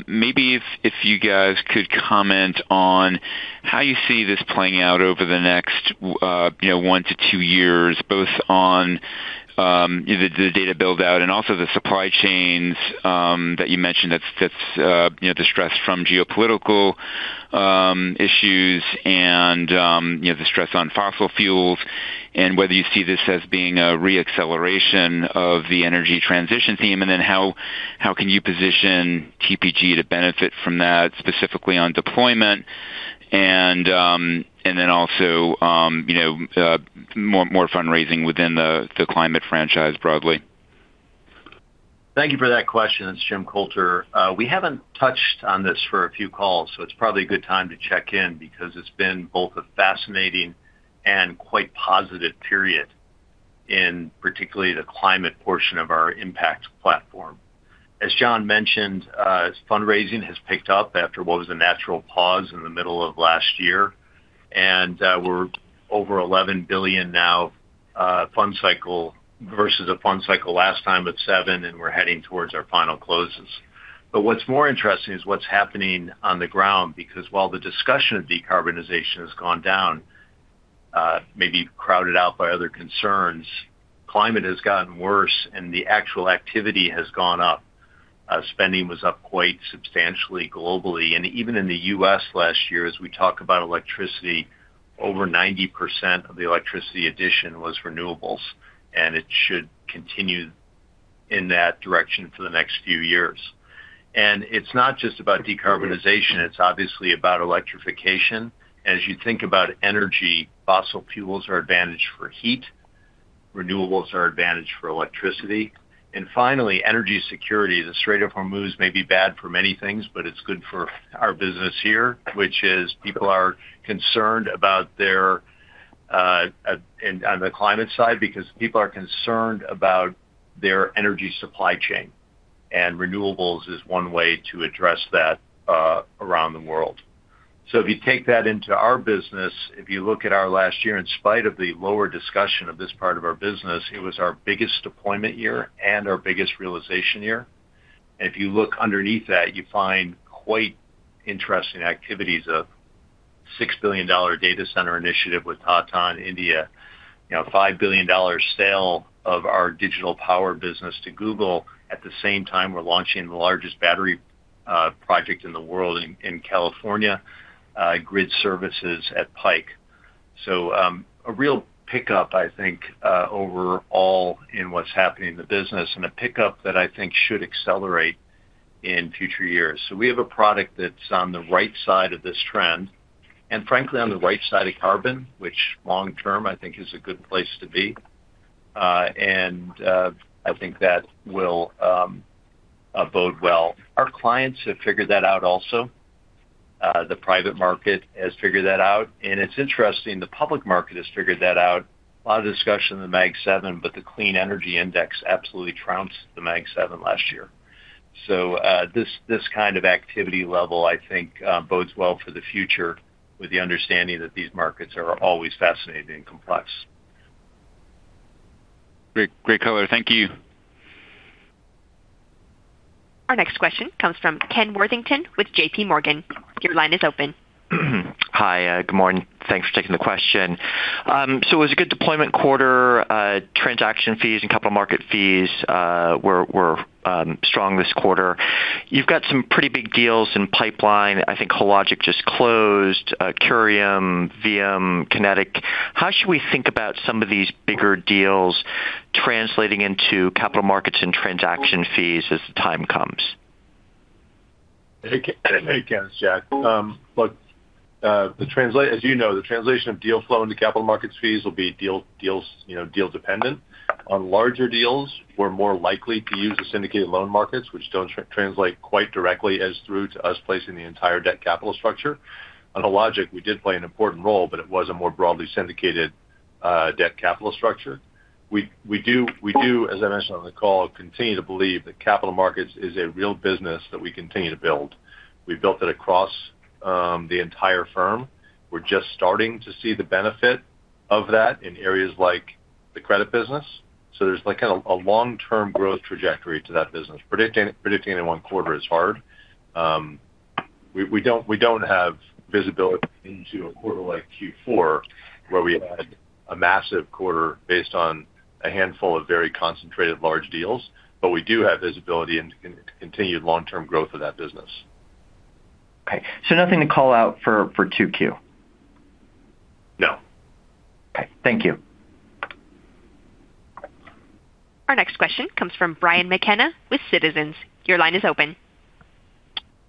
Maybe if you guys could comment on how you see this playing out over the next, you know, one to two years, both on, you know, the data build-out and also the supply chains that you mentioned that's, you know, the stress from geopolitical issues and, you know, the stress on fossil fuels and whether you see this as being a re-acceleration of the energy transition theme. How can you position TPG to benefit from that, specifically on deployment and then also, you know, more fundraising within the climate franchise broadly? Thank you for that question. It's Jim Coulter. We haven't touched on this for a few calls, so it's probably a good time to check in because it's been both a fascinating and quite positive period in particularly the climate portion of our impact platform. As Jon mentioned, fundraising has picked up after what was a natural pause in the middle of last year, and we're over $11 billion now, fund cycle versus a fund cycle last time at $7 billion, and we're heading towards our final closes. What's more interesting is what's happening on the ground because while the discussion of decarbonization has gone down, maybe crowded out by other concerns, climate has gotten worse, and the actual activity has gone up. Spending was up quite substantially globally. Even in the U.S. last year, as we talk about electricity, over 90% of the electricity addition was renewables, and it should continue in that direction for the next few years. It's not just about decarbonization, it's obviously about electrification. As you think about energy, fossil fuels are advantaged for heat, renewables are advantaged for electricity. Finally, energy security. The Strait of Hormuz may be bad for many things, but it's good for our business here, which is people are concerned about their on the climate side because people are concerned about their energy supply chain, and renewables is one way to address that around the world. If you take that into our business, if you look at our last year, in spite of the lower discussion of this part of our business, it was our biggest deployment year and our biggest realization year. If you look underneath that, you find quite interesting activities of $6 billion data center initiative with Tata in India. You know, $5 billion sale of our digital power business to Google. At the same time, we're launching the largest battery project in the world in California, grid services at Pike. A real pickup, I think, overall in what's happening in the business and a pickup that I think should accelerate in future years. We have a product that's on the right side of this trend, and frankly, on the right side of carbon, which long-term I think is a good place to be. I think that will bode well. Our clients have figured that out also. The private market has figured that out. It's interesting, the public market has figured that out. A lot of discussion in the Mag 7, but the clean energy index absolutely trounced the Mag 7 last year. This kind of activity level, I think, bodes well for the future with the understanding that these markets are always fascinating and complex. Great. Great color. Thank you. Our next question comes from Ken Worthington with JPMorgan. Your line is open. Hi. Good morning. Thanks for taking the question. It was a good deployment quarter. Transaction fees and capital market fees were strong this quarter. You've got some pretty big deals in pipeline. I think Hologic just closed, Curium, VM, Kinetik. How should we think about some of these bigger deals translating into capital markets and transaction fees as the time comes? Hey, Ken. It's Jack. Look, as you know, the translation of deal flow into capital markets fees will be deal, deals, you know, deal dependent. On larger deals, we're more likely to use the syndicated loan markets, which don't translate quite directly as through to us placing the entire debt capital structure. On Hologic, we did play an important role, but it was a more broadly syndicated debt capital structure. We do, as I mentioned on the call, continue to believe that capital markets is a real business that we continue to build. We built it across the entire firm. We're just starting to see the benefit of that in areas like the credit business. There's like a long-term growth trajectory to that business. Predicting in one quarter is hard. We don't have visibility into a quarter like Q4, where we had a massive quarter based on a handful of very concentrated large deals, but we do have visibility into continued long-term growth of that business. Okay. nothing to call out for 2Q? No. Okay. Thank you. Our next question comes from Brian McKenna with Citizens. Your line is open.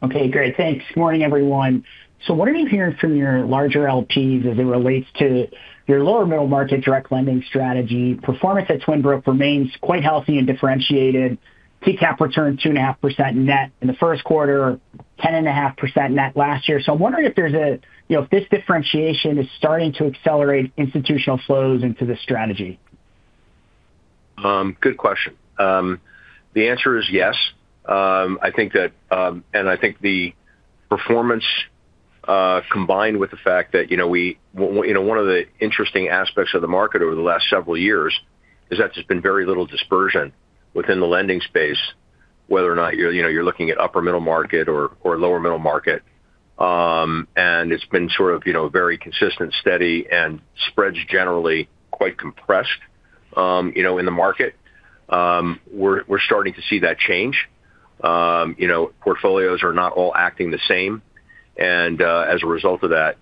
Okay, great. Thanks. Morning, everyone. What are you hearing from your larger LPs as it relates to your lower middle market direct lending strategy? Performance at Twin Brook remains quite healthy and differentiated. TCAP returned 2.5% net in the first quarter, 10.5% net last year. I'm wondering if there's, you know, if this differentiation is starting to accelerate institutional flows into this strategy. Good question. The answer is yes. I think that, I think the performance, combined with the fact that, you know, one of the interesting aspects of the market over the last several years is that there's been very little dispersion within the lending space, whether or not you're, you know, you're looking at upper middle market or lower middle market. It's been sort of, you know, very consistent, steady, and spreads generally quite compressed, you know, in the market. We're starting to see that change. You know, portfolios are not all acting the same. As a result of that,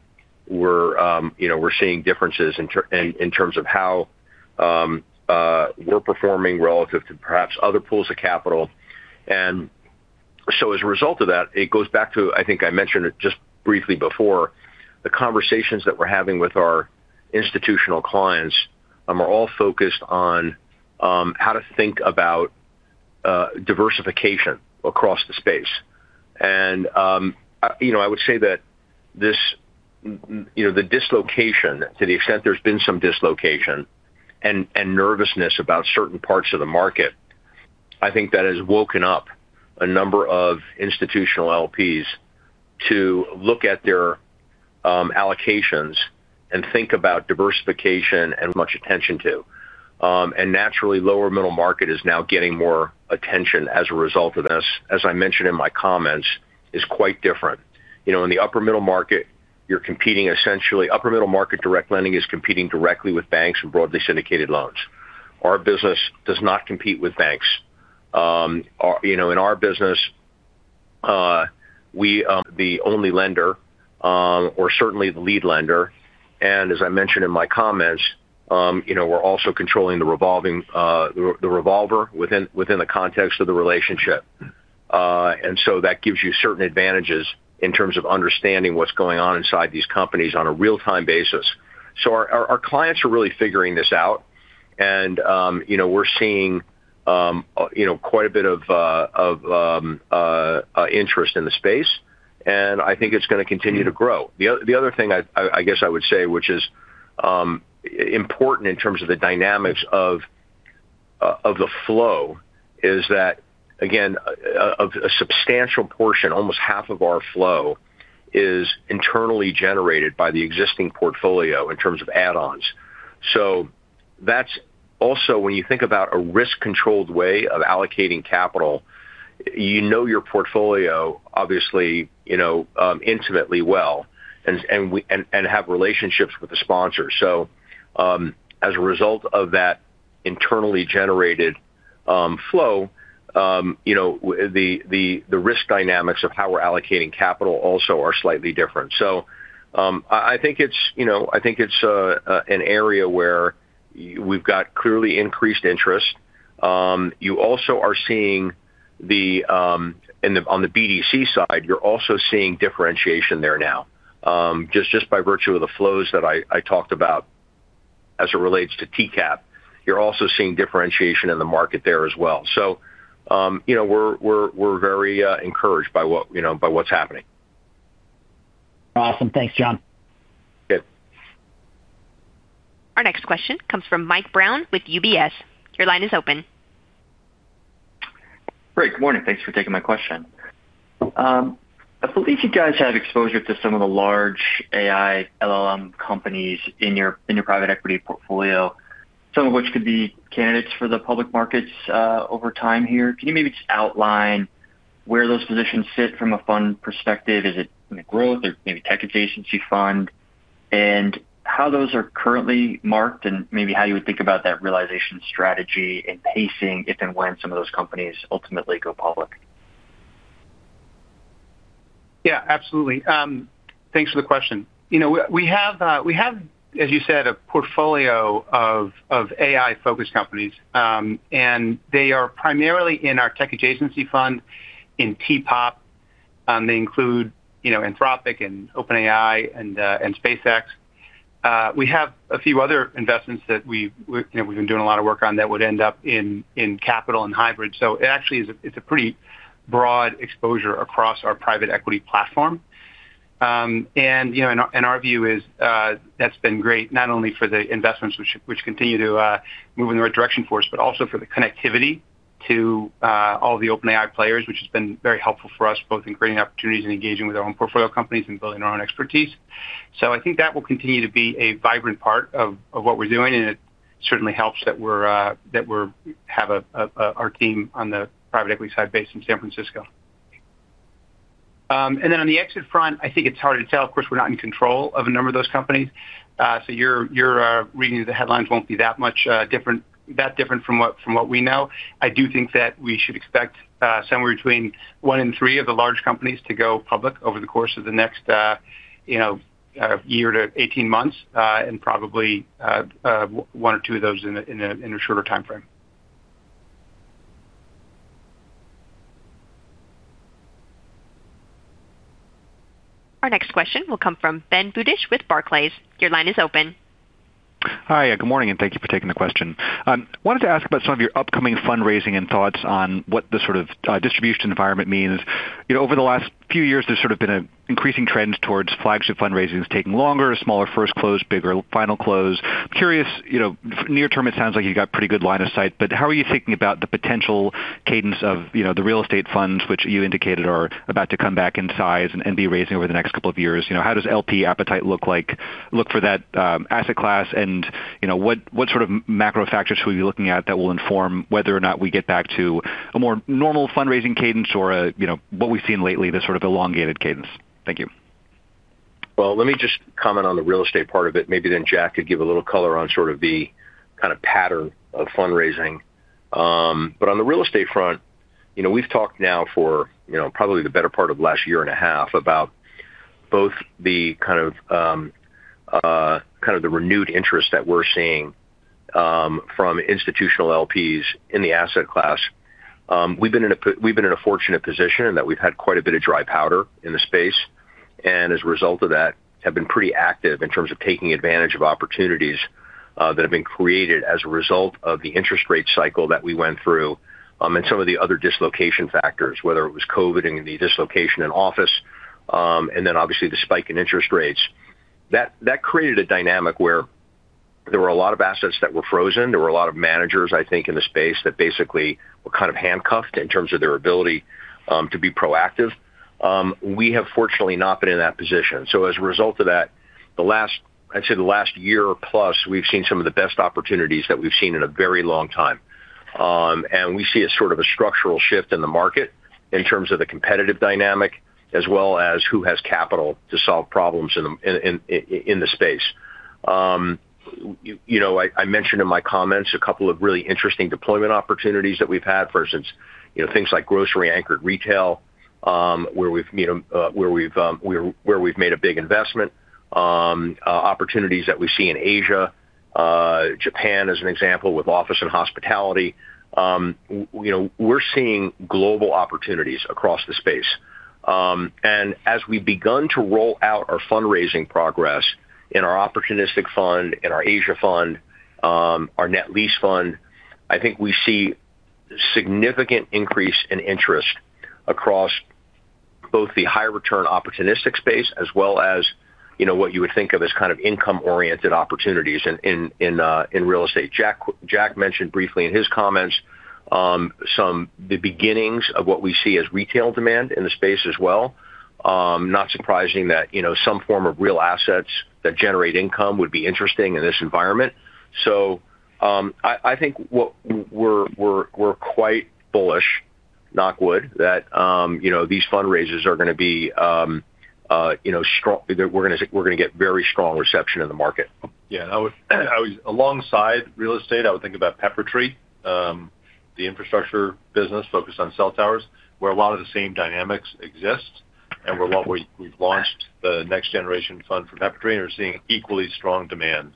we're, you know, we're seeing differences in terms of how we're performing relative to perhaps other pools of capital. As a result of that, it goes back to, I think I mentioned it just briefly before, the conversations that we're having with our institutional clients, are all focused on how to think about diversification across the space. You know, I would say that this, you know, the dislocation to the extent there's been some dislocation and nervousness about certain parts of the market, I think that has woken up a number of institutional LPs to look at their allocations and think about diversification and much attention to. Naturally, lower middle market is now getting more attention as a result of this. As I mentioned in my comments, is quite different. You know, Upper middle market direct lending is competing directly with banks and broadly syndicated loans. Our business does not compete with banks. You know, in our business, we are the only lender, or certainly the lead lender. As I mentioned in my comments, you know, we're also controlling the revolving, the revolver within the context of the relationship. That gives you certain advantages in terms of understanding what's going on inside these companies on a real-time basis. Our clients are really figuring this out and, you know, we're seeing, you know, quite a bit of interest in the space, and I think it's gonna continue to grow. The other thing I guess I would say, which is important in terms of the dynamics of the flow, is that again, a substantial portion, almost half of our flow is internally generated by the existing portfolio in terms of add-ons. That's also when you think about a risk-controlled way of allocating capital, you know your portfolio obviously, you know, intimately well, and have relationships with the sponsors. As a result of that internally generated flow, you know, the risk dynamics of how we're allocating capital also are slightly different. I think it's, you know, I think it's an area where we've got clearly increased interest. You also are seeing the on the BDC side, you're also seeing differentiation there now, just by virtue of the flows that I talked about as it relates to TCAP. You're also seeing differentiation in the market there as well. You know, we're very encouraged by what, you know, what's happening. Awesome. Thanks, Jon. Yep. Our next question comes from Mike Brown with UBS. Your line is open. Great. Good morning. Thanks for taking my question. I believe you guys have exposure to some of the large AI LLM companies in your private equity portfolio, some of which could be candidates for the public markets over time here. Can you maybe just outline where those positions sit from a fund perspective? Is it in the growth or maybe tech adjacency fund? And how those are currently marked, and maybe how you would think about that realization strategy and pacing, if and when some of those companies ultimately go public. Yeah, absolutely. Thanks for the question. You know, we have, we have, as you said, a portfolio of AI-focused companies. They are primarily in our tech adjacency fund in T-POP. They include, you know, Anthropic and OpenAI and SpaceX. We have a few other investments that we've, you know, we've been doing a lot of work on that would end up in Capital and Hybrid. It actually it's a pretty broad exposure across our private equity platform. You know, and our view is that's been great not only for the investments which continue to move in the right direction for us, but also for the connectivity to all the OpenAI players, which has been very helpful for us both in creating opportunities and engaging with our own portfolio companies and building our own expertise. I think that will continue to be a vibrant part of what we're doing, and it certainly helps that we have our team on the private equity side based in San Francisco. On the exit front, I think it's hard to tell. Of course, we're not in control of a number of those companies. Your reading of the headlines won't be that much that different from what, from what we know. I do think that we should expect somewhere between one in three of the large companies to go public over the course of the next year to 18 months, and probably one or two of those in a shorter timeframe. Our next question will come from Ben Budish with Barclays. Your line is open. Hi, good morning, and thank you for taking the question. Wanted to ask about some of your upcoming fundraising and thoughts on what the sort of distribution environment means. You know, over the last few years, there's sort of been an increasing trend towards flagship fundraising that's taking longer, a smaller first close, bigger final close. Curious, you know, near term, it sounds like you've got pretty good line of sight, but how are you thinking about the potential cadence of, you know, the real estate funds which you indicated are about to come back in size and be raised over the next couple of years? You know, how does LP appetite look for that asset class? You know, what sort of macro factors should we be looking at that will inform whether or not we get back to a more normal fundraising cadence or a, you know, what we've seen lately, this sort of elongated cadence? Thank you. Well, let me just comment on the real estate part of it. Maybe Jack could give a little color on sort of the kind of pattern of fundraising. On the real estate front, you know, we've talked now for, you know, probably the better part of the last year and a half about both the kind of, kind of the renewed interest that we're seeing from institutional LPs in the asset class. We've been in a fortunate position in that we've had quite a bit of dry powder in the space, and as a result of that, have been pretty active in terms of taking advantage of opportunities that have been created as a result of the interest rate cycle that we went through, and some of the other dislocation factors, whether it was COVID and the dislocation in office, and then obviously the spike in interest rates. That created a dynamic where there were a lot of assets that were frozen. There were a lot of managers, I think, in the space that basically were kind of handcuffed in terms of their ability to be proactive. We have fortunately not been in that position. As a result of that, the last year plus, we've seen some of the best opportunities that we've seen in a very long time. We see a sort of a structural shift in the market in terms of the competitive dynamic as well as who has capital to solve problems in the space. You know, I mentioned in my comments a couple of really interesting deployment opportunities that we've had. For instance, you know, things like grocery-anchored retail, where we've made a big investment. Opportunities that we see in Asia, Japan as an example, with office and hospitality. You know, we're seeing global opportunities across the space. As we've begun to roll out our fundraising progress in our opportunistic fund, in our Asia fund, our net lease fund, I think we see significant increase in interest across both the high return opportunistic space as well as, you know, what you would think of as kind of income-oriented opportunities in real estate. Jack mentioned briefly in his comments, the beginnings of what we see as retail demand in the space as well. Not surprising that, you know, some form of real assets that generate income would be interesting in this environment. I think what we're quite bullish, knock wood, that, you know, these fundraisers are gonna be, you know, strong. We're gonna get very strong reception in the market. Yeah, I would Alongside real estate, I would think about Peppertree, the infrastructure business focused on cell towers, where a lot of the same dynamics exist, and where we've launched the next generation fund for Peppertree, and are seeing equally strong demand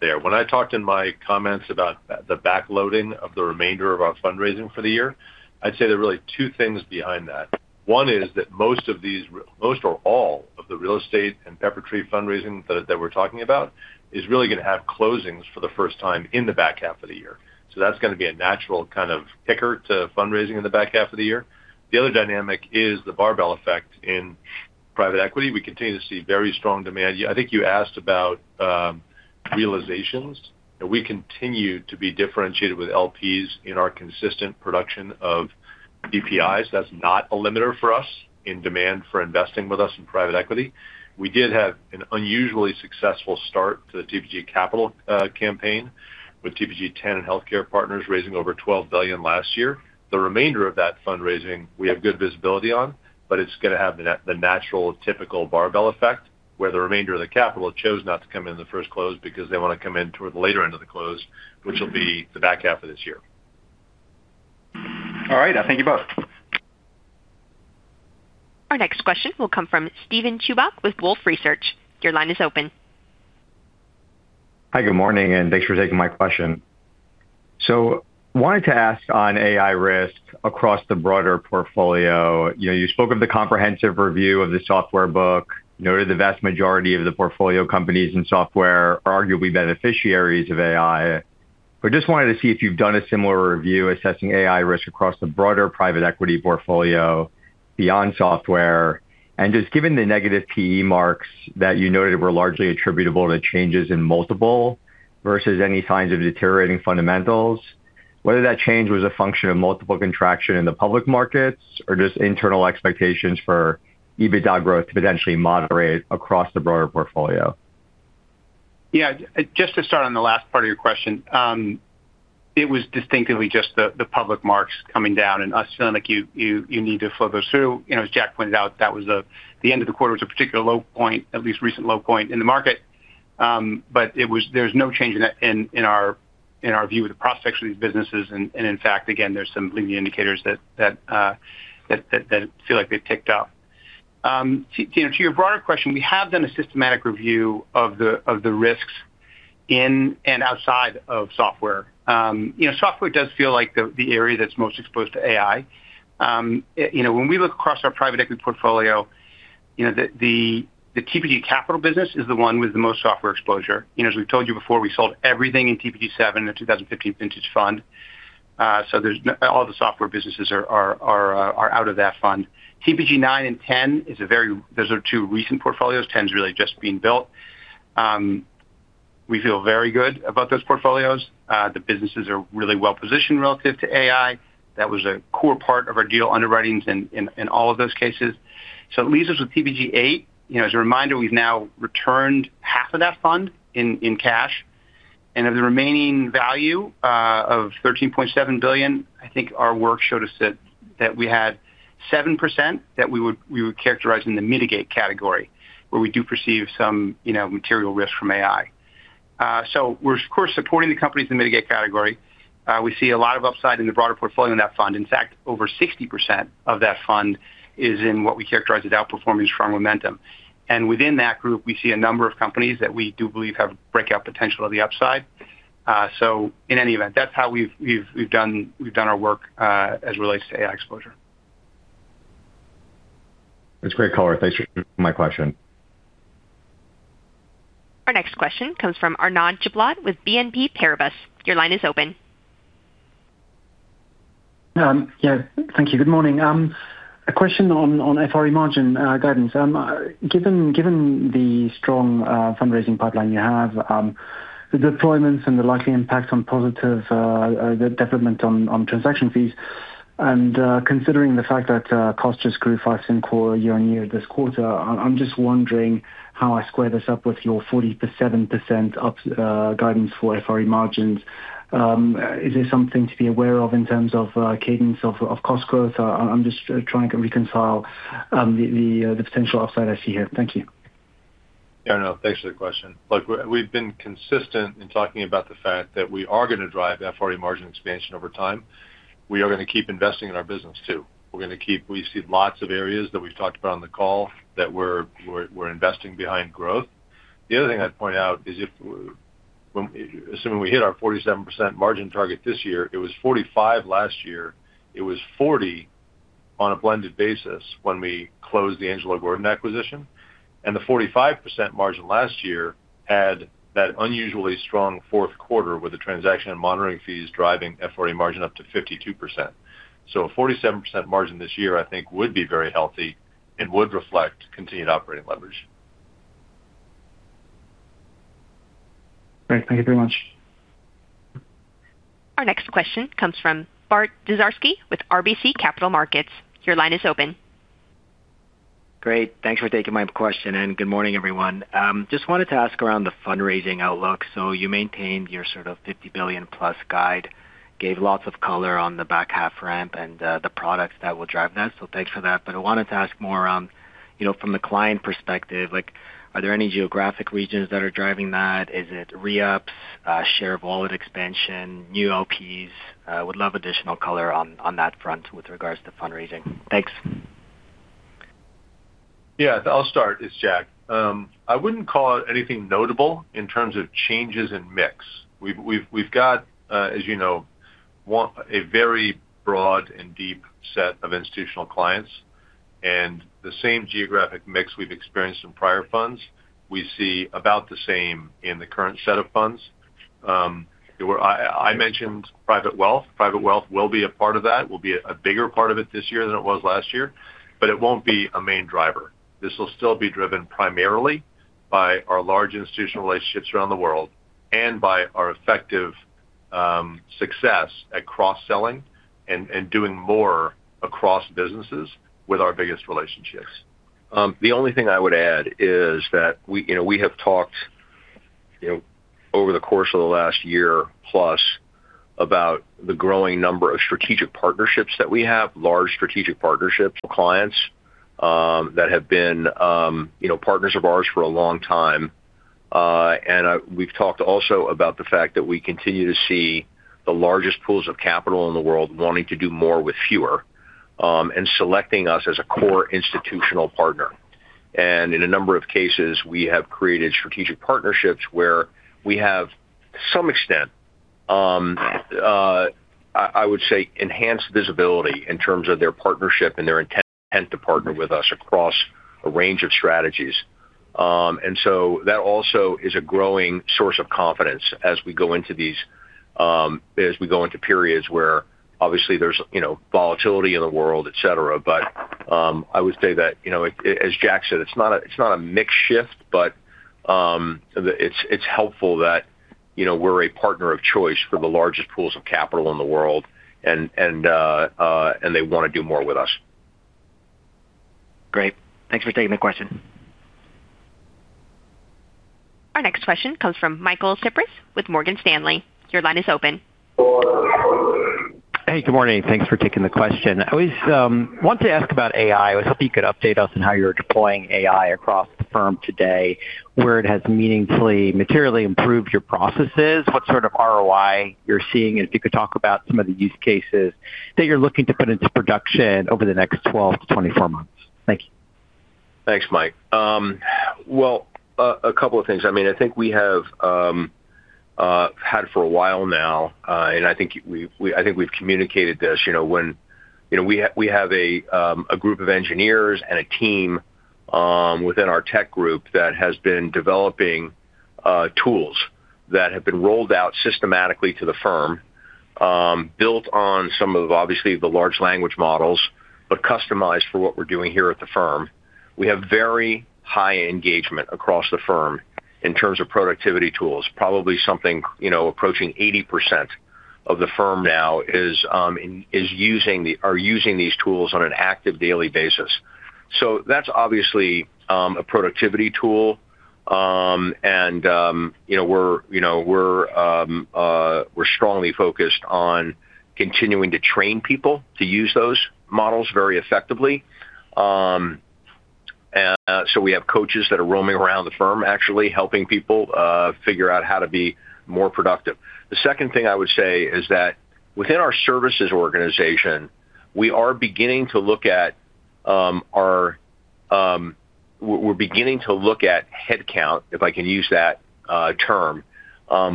there. When I talked in my comments about the backloading of the remainder of our fundraising for the year, I'd say there are really two things behind that. One is that most of these most or all of the real estate and Peppertree fundraising that we're talking about is really gonna have closings for the first time in the back half of the year. That's gonna be a natural kind of ticker to fundraising in the back half of the year. The other dynamic is the barbell effect in private equity. We continue to see very strong demand. I think you asked about realizations, we continue to be differentiated with LPs in our consistent production of DPIs. That's not a limiter for us in demand for investing with us in private equity. We did have an unusually successful start to the TPG Capital campaign, with TPG X and Healthcare Partners raising over $12 billion last year. The remainder of that fundraising we have good visibility on, it's gonna have the natural typical barbell effect, where the remainder of the capital chose not to come in the first close because they wanna come in toward the later end of the close, which will be the back half of this year. All right. Thank you both. Our next question will come from Steven Chubak with Wolfe Research. Your line is open. Hi, good morning, and thanks for taking my question. Wanted to ask on AI risk across the broader portfolio. You know, you spoke of the comprehensive review of the software book, noted the vast majority of the portfolio companies in software are arguably beneficiaries of AI. Just wanted to see if you've done a similar review assessing AI risk across the broader private equity portfolio beyond software. Just given the negative PE marks that you noted were largely attributable to changes in multiple versus any signs of deteriorating fundamentals, whether that change was a function of multiple contraction in the public markets or just internal expectations for EBITDA growth to potentially moderate across the broader portfolio. Yeah. Just to start on the last part of your question, it was distinctively just the public marks coming down, and us feeling like you need to follow through. You know, as Jack pointed out, that was the end of the quarter was a particular low point, at least recent low point in the market. But it was there's no change in that in our view of the prospects for these businesses. In fact, again, there's some leading indicators that feel like they've ticked up. To, you know, to your broader question, we have done a systematic review of the, of the risks in and outside of software. You know, software does feel like the area that's most exposed to AI. You know, when we look across our private equity portfolio, you know, the TPG Capital business is the one with the most software exposure. You know, as we've told you before, we sold everything in TPG VII, the 2015 vintage fund. All the software businesses are out of that fund. TPG IX and X, those are two recent portfolios. Ten's really just being built. We feel very good about those portfolios. The businesses are really well-positioned relative to AI. That was a core part of our deal underwritings in all of those cases. It leaves us with TPG VIII. You know, as a reminder, we've now returned half of that fund in cash. Of the remaining value, of $13.7 billion, I think our work showed us that we had 7% that we would characterize in the mitigate category, where we do perceive some, you know, material risk from AI. We're of course supporting the companies in mitigate category. We see a lot of upside in the broader portfolio in that fund. In fact, over 60% of that fund is in what we characterize as outperforming strong momentum. Within that group, we see a number of companies that we do believe have breakout potential on the upside. In any event, that's how we've done our work, as it relates to AI exposure. That's great color. Thanks for taking my question. Our next question comes from Arnaud Giblat with BNP Paribas. Your line is open. Yeah. Thank you. Good morning. A question on FRE margin guidance. Given the strong fundraising pipeline you have, the deployments and the likely impact on positive, the development on transaction fees, and, considering the fact that, costs just grew 5% core year-on-year this quarter, I'm just wondering how I square this up with your 40% to 47% up guidance for FRE margins? Is there something to be aware of in terms of cadence of cost growth? I'm just trying to reconcile the potential upside I see here. Thank you. Arnaud, thanks for the question. We've been consistent in talking about the fact that we are gonna drive FRE margin expansion over time. We are gonna keep investing in our business too. We see lots of areas that we've talked about on the call that we're investing behind growth. The other thing I'd point out is assuming we hit our 47% margin target this year, it was 45% last year. It was 40% on a blended basis when we closed the Angelo Gordon acquisition. The 45% margin last year had that unusually strong fourth quarter with the transaction and monitoring fees driving FRE margin up to 52%. A 47% margin this year, I think would be very healthy and would reflect continued operating leverage. Great. Thank you very much. Our next question comes from Bart Dziarski with RBC Capital Markets. Your line is open. Great. Thanks for taking my question, and good morning, everyone. Just wanted to ask around the fundraising outlook. You maintained your sort of $50 billion plus guide, gave lots of color on the back half ramp and the products that will drive that. Thanks for that. I wanted to ask more around, you know, from the client perspective, like, are there any geographic regions that are driving that? Is it re-ups, share of wallet expansion, new LPs? Would love additional color on that front with regards to fundraising. Thanks. Yeah. I'll start. It's Jack. I wouldn't call out anything notable in terms of changes in mix. We've got, as you know, a very broad and deep set of institutional clients, and the same geographic mix we've experienced in prior funds, we see about the same in the current set of funds. There were. I mentioned private wealth. Private wealth will be a part of that, will be a bigger part of it this year than it was last year, but it won't be a main driver. This will still be driven primarily by our large institutional relationships around the world and by our effective success at cross-selling and doing more across businesses with our biggest relationships. The only thing I would add is that we, you know, we have talked, you know, over the course of the last year plus about the growing number of strategic partnerships that we have, large strategic partnerships with clients, that have been, you know, partners of ours for a long time. We've talked also about the fact that we continue to see the largest pools of capital in the world wanting to do more with fewer, and selecting us as a core institutional partner. In a number of cases, we have created strategic partnerships where we have, to some extent, I would say enhanced visibility in terms of their partnership and their intent to partner with us across a range of strategies. That also is a growing source of confidence as we go into these, as we go into periods where obviously there's, you know, volatility in the world, et cetera. I would say that, you know, as Jack said, it's not a, it's not a mix shift, but, it's helpful that, you know, we're a partner of choice for the largest pools of capital in the world and they wanna do more with us. Great. Thanks for taking the question. Our next question comes from Michael Cyprys with Morgan Stanley. Your line is open. Hey, good morning. Thanks for taking the question. I always want to ask about AI. I was hoping you could update us on how you're deploying AI across the firm today, where it has meaningfully materially improved your processes, what sort of ROI you're seeing, and if you could talk about some of the use cases that you're looking to put into production over the next twelve to twenty-four months. Thank you. Thanks, Mike. Well, a couple of things. I mean, I think we have had for a while now, and I think we've communicated this, you know, when, you know, we have a group of engineers and a team within our tech group that has been developing tools that have been rolled out systematically to the firm, built on some of obviously the large language models, but customized for what we're doing here at the firm. We have very high engagement across the firm in terms of productivity tools. Probably something, you know, approaching 80% of the firm now is in, are using these tools on an active daily basis. That's obviously a productivity tool. You know, we're strongly focused on continuing to train people to use those models very effectively. We have coaches that are roaming around the firm actually helping people figure out how to be more productive. The second thing I would say is that within our services organization, we are beginning to look at headcount, if I can use that term,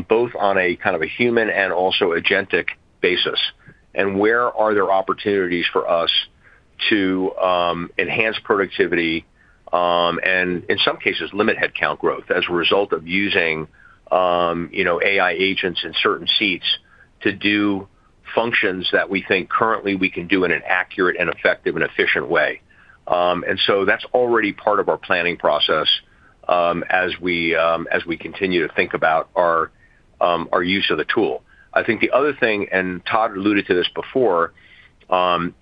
both on a kind of a human and also agentic basis, and where are there opportunities for us to enhance productivity, and in some cases limit headcount growth as a result of using, you know, AI agents in certain seats to do functions that we think currently we can do in an accurate and effective and efficient way. That's already part of our planning process, as we continue to think about our use of the tool. I think the other thing, and Todd alluded to this before,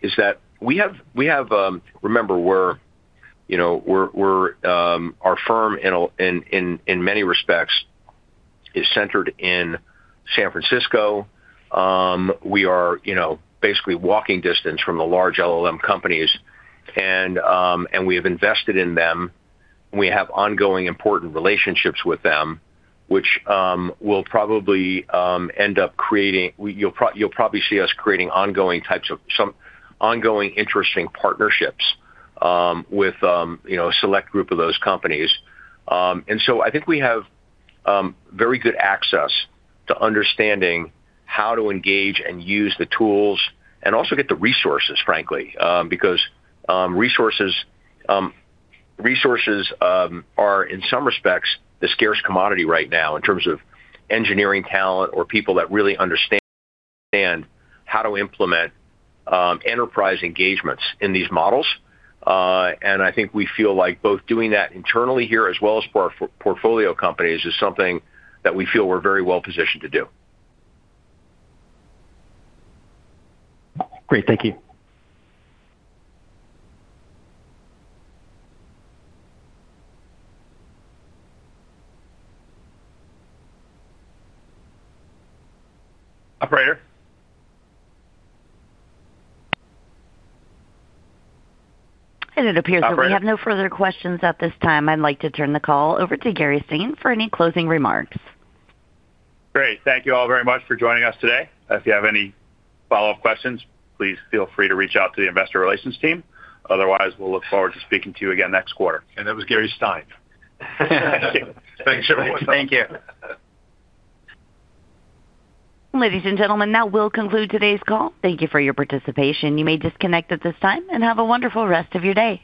is that we have. Remember, we're, you know, our firm in many respects is centered in San Francisco. We are, you know, basically walking distance from the large LLM companies, and we have invested in them. We have ongoing important relationships with them. You'll probably see us creating ongoing types of interesting partnerships with, you know, a select group of those companies. I think we have very good access to understanding how to engage and use the tools and also get the resources, frankly. Because resources are in some respects the scarce commodity right now in terms of engineering talent or people that really understand how to implement enterprise engagements in these models. I think we feel like both doing that internally here as well as for our portfolio companies is something that we feel we're very well positioned to do. Great. Thank you. Operator. It appears that we have no further questions at this time. I'd like to turn the call over to Gary Stein for any closing remarks. Great. Thank you all very much for joining us today. If you have any follow-up questions, please feel free to reach out to the investor relations team. Otherwise, we'll look forward to speaking to you again next quarter. That was Gary Stein. Thanks, everybody. Thank you. Ladies and gentlemen, that will conclude today's call. Thank you for your participation. You may disconnect at this time, and have a wonderful rest of your day.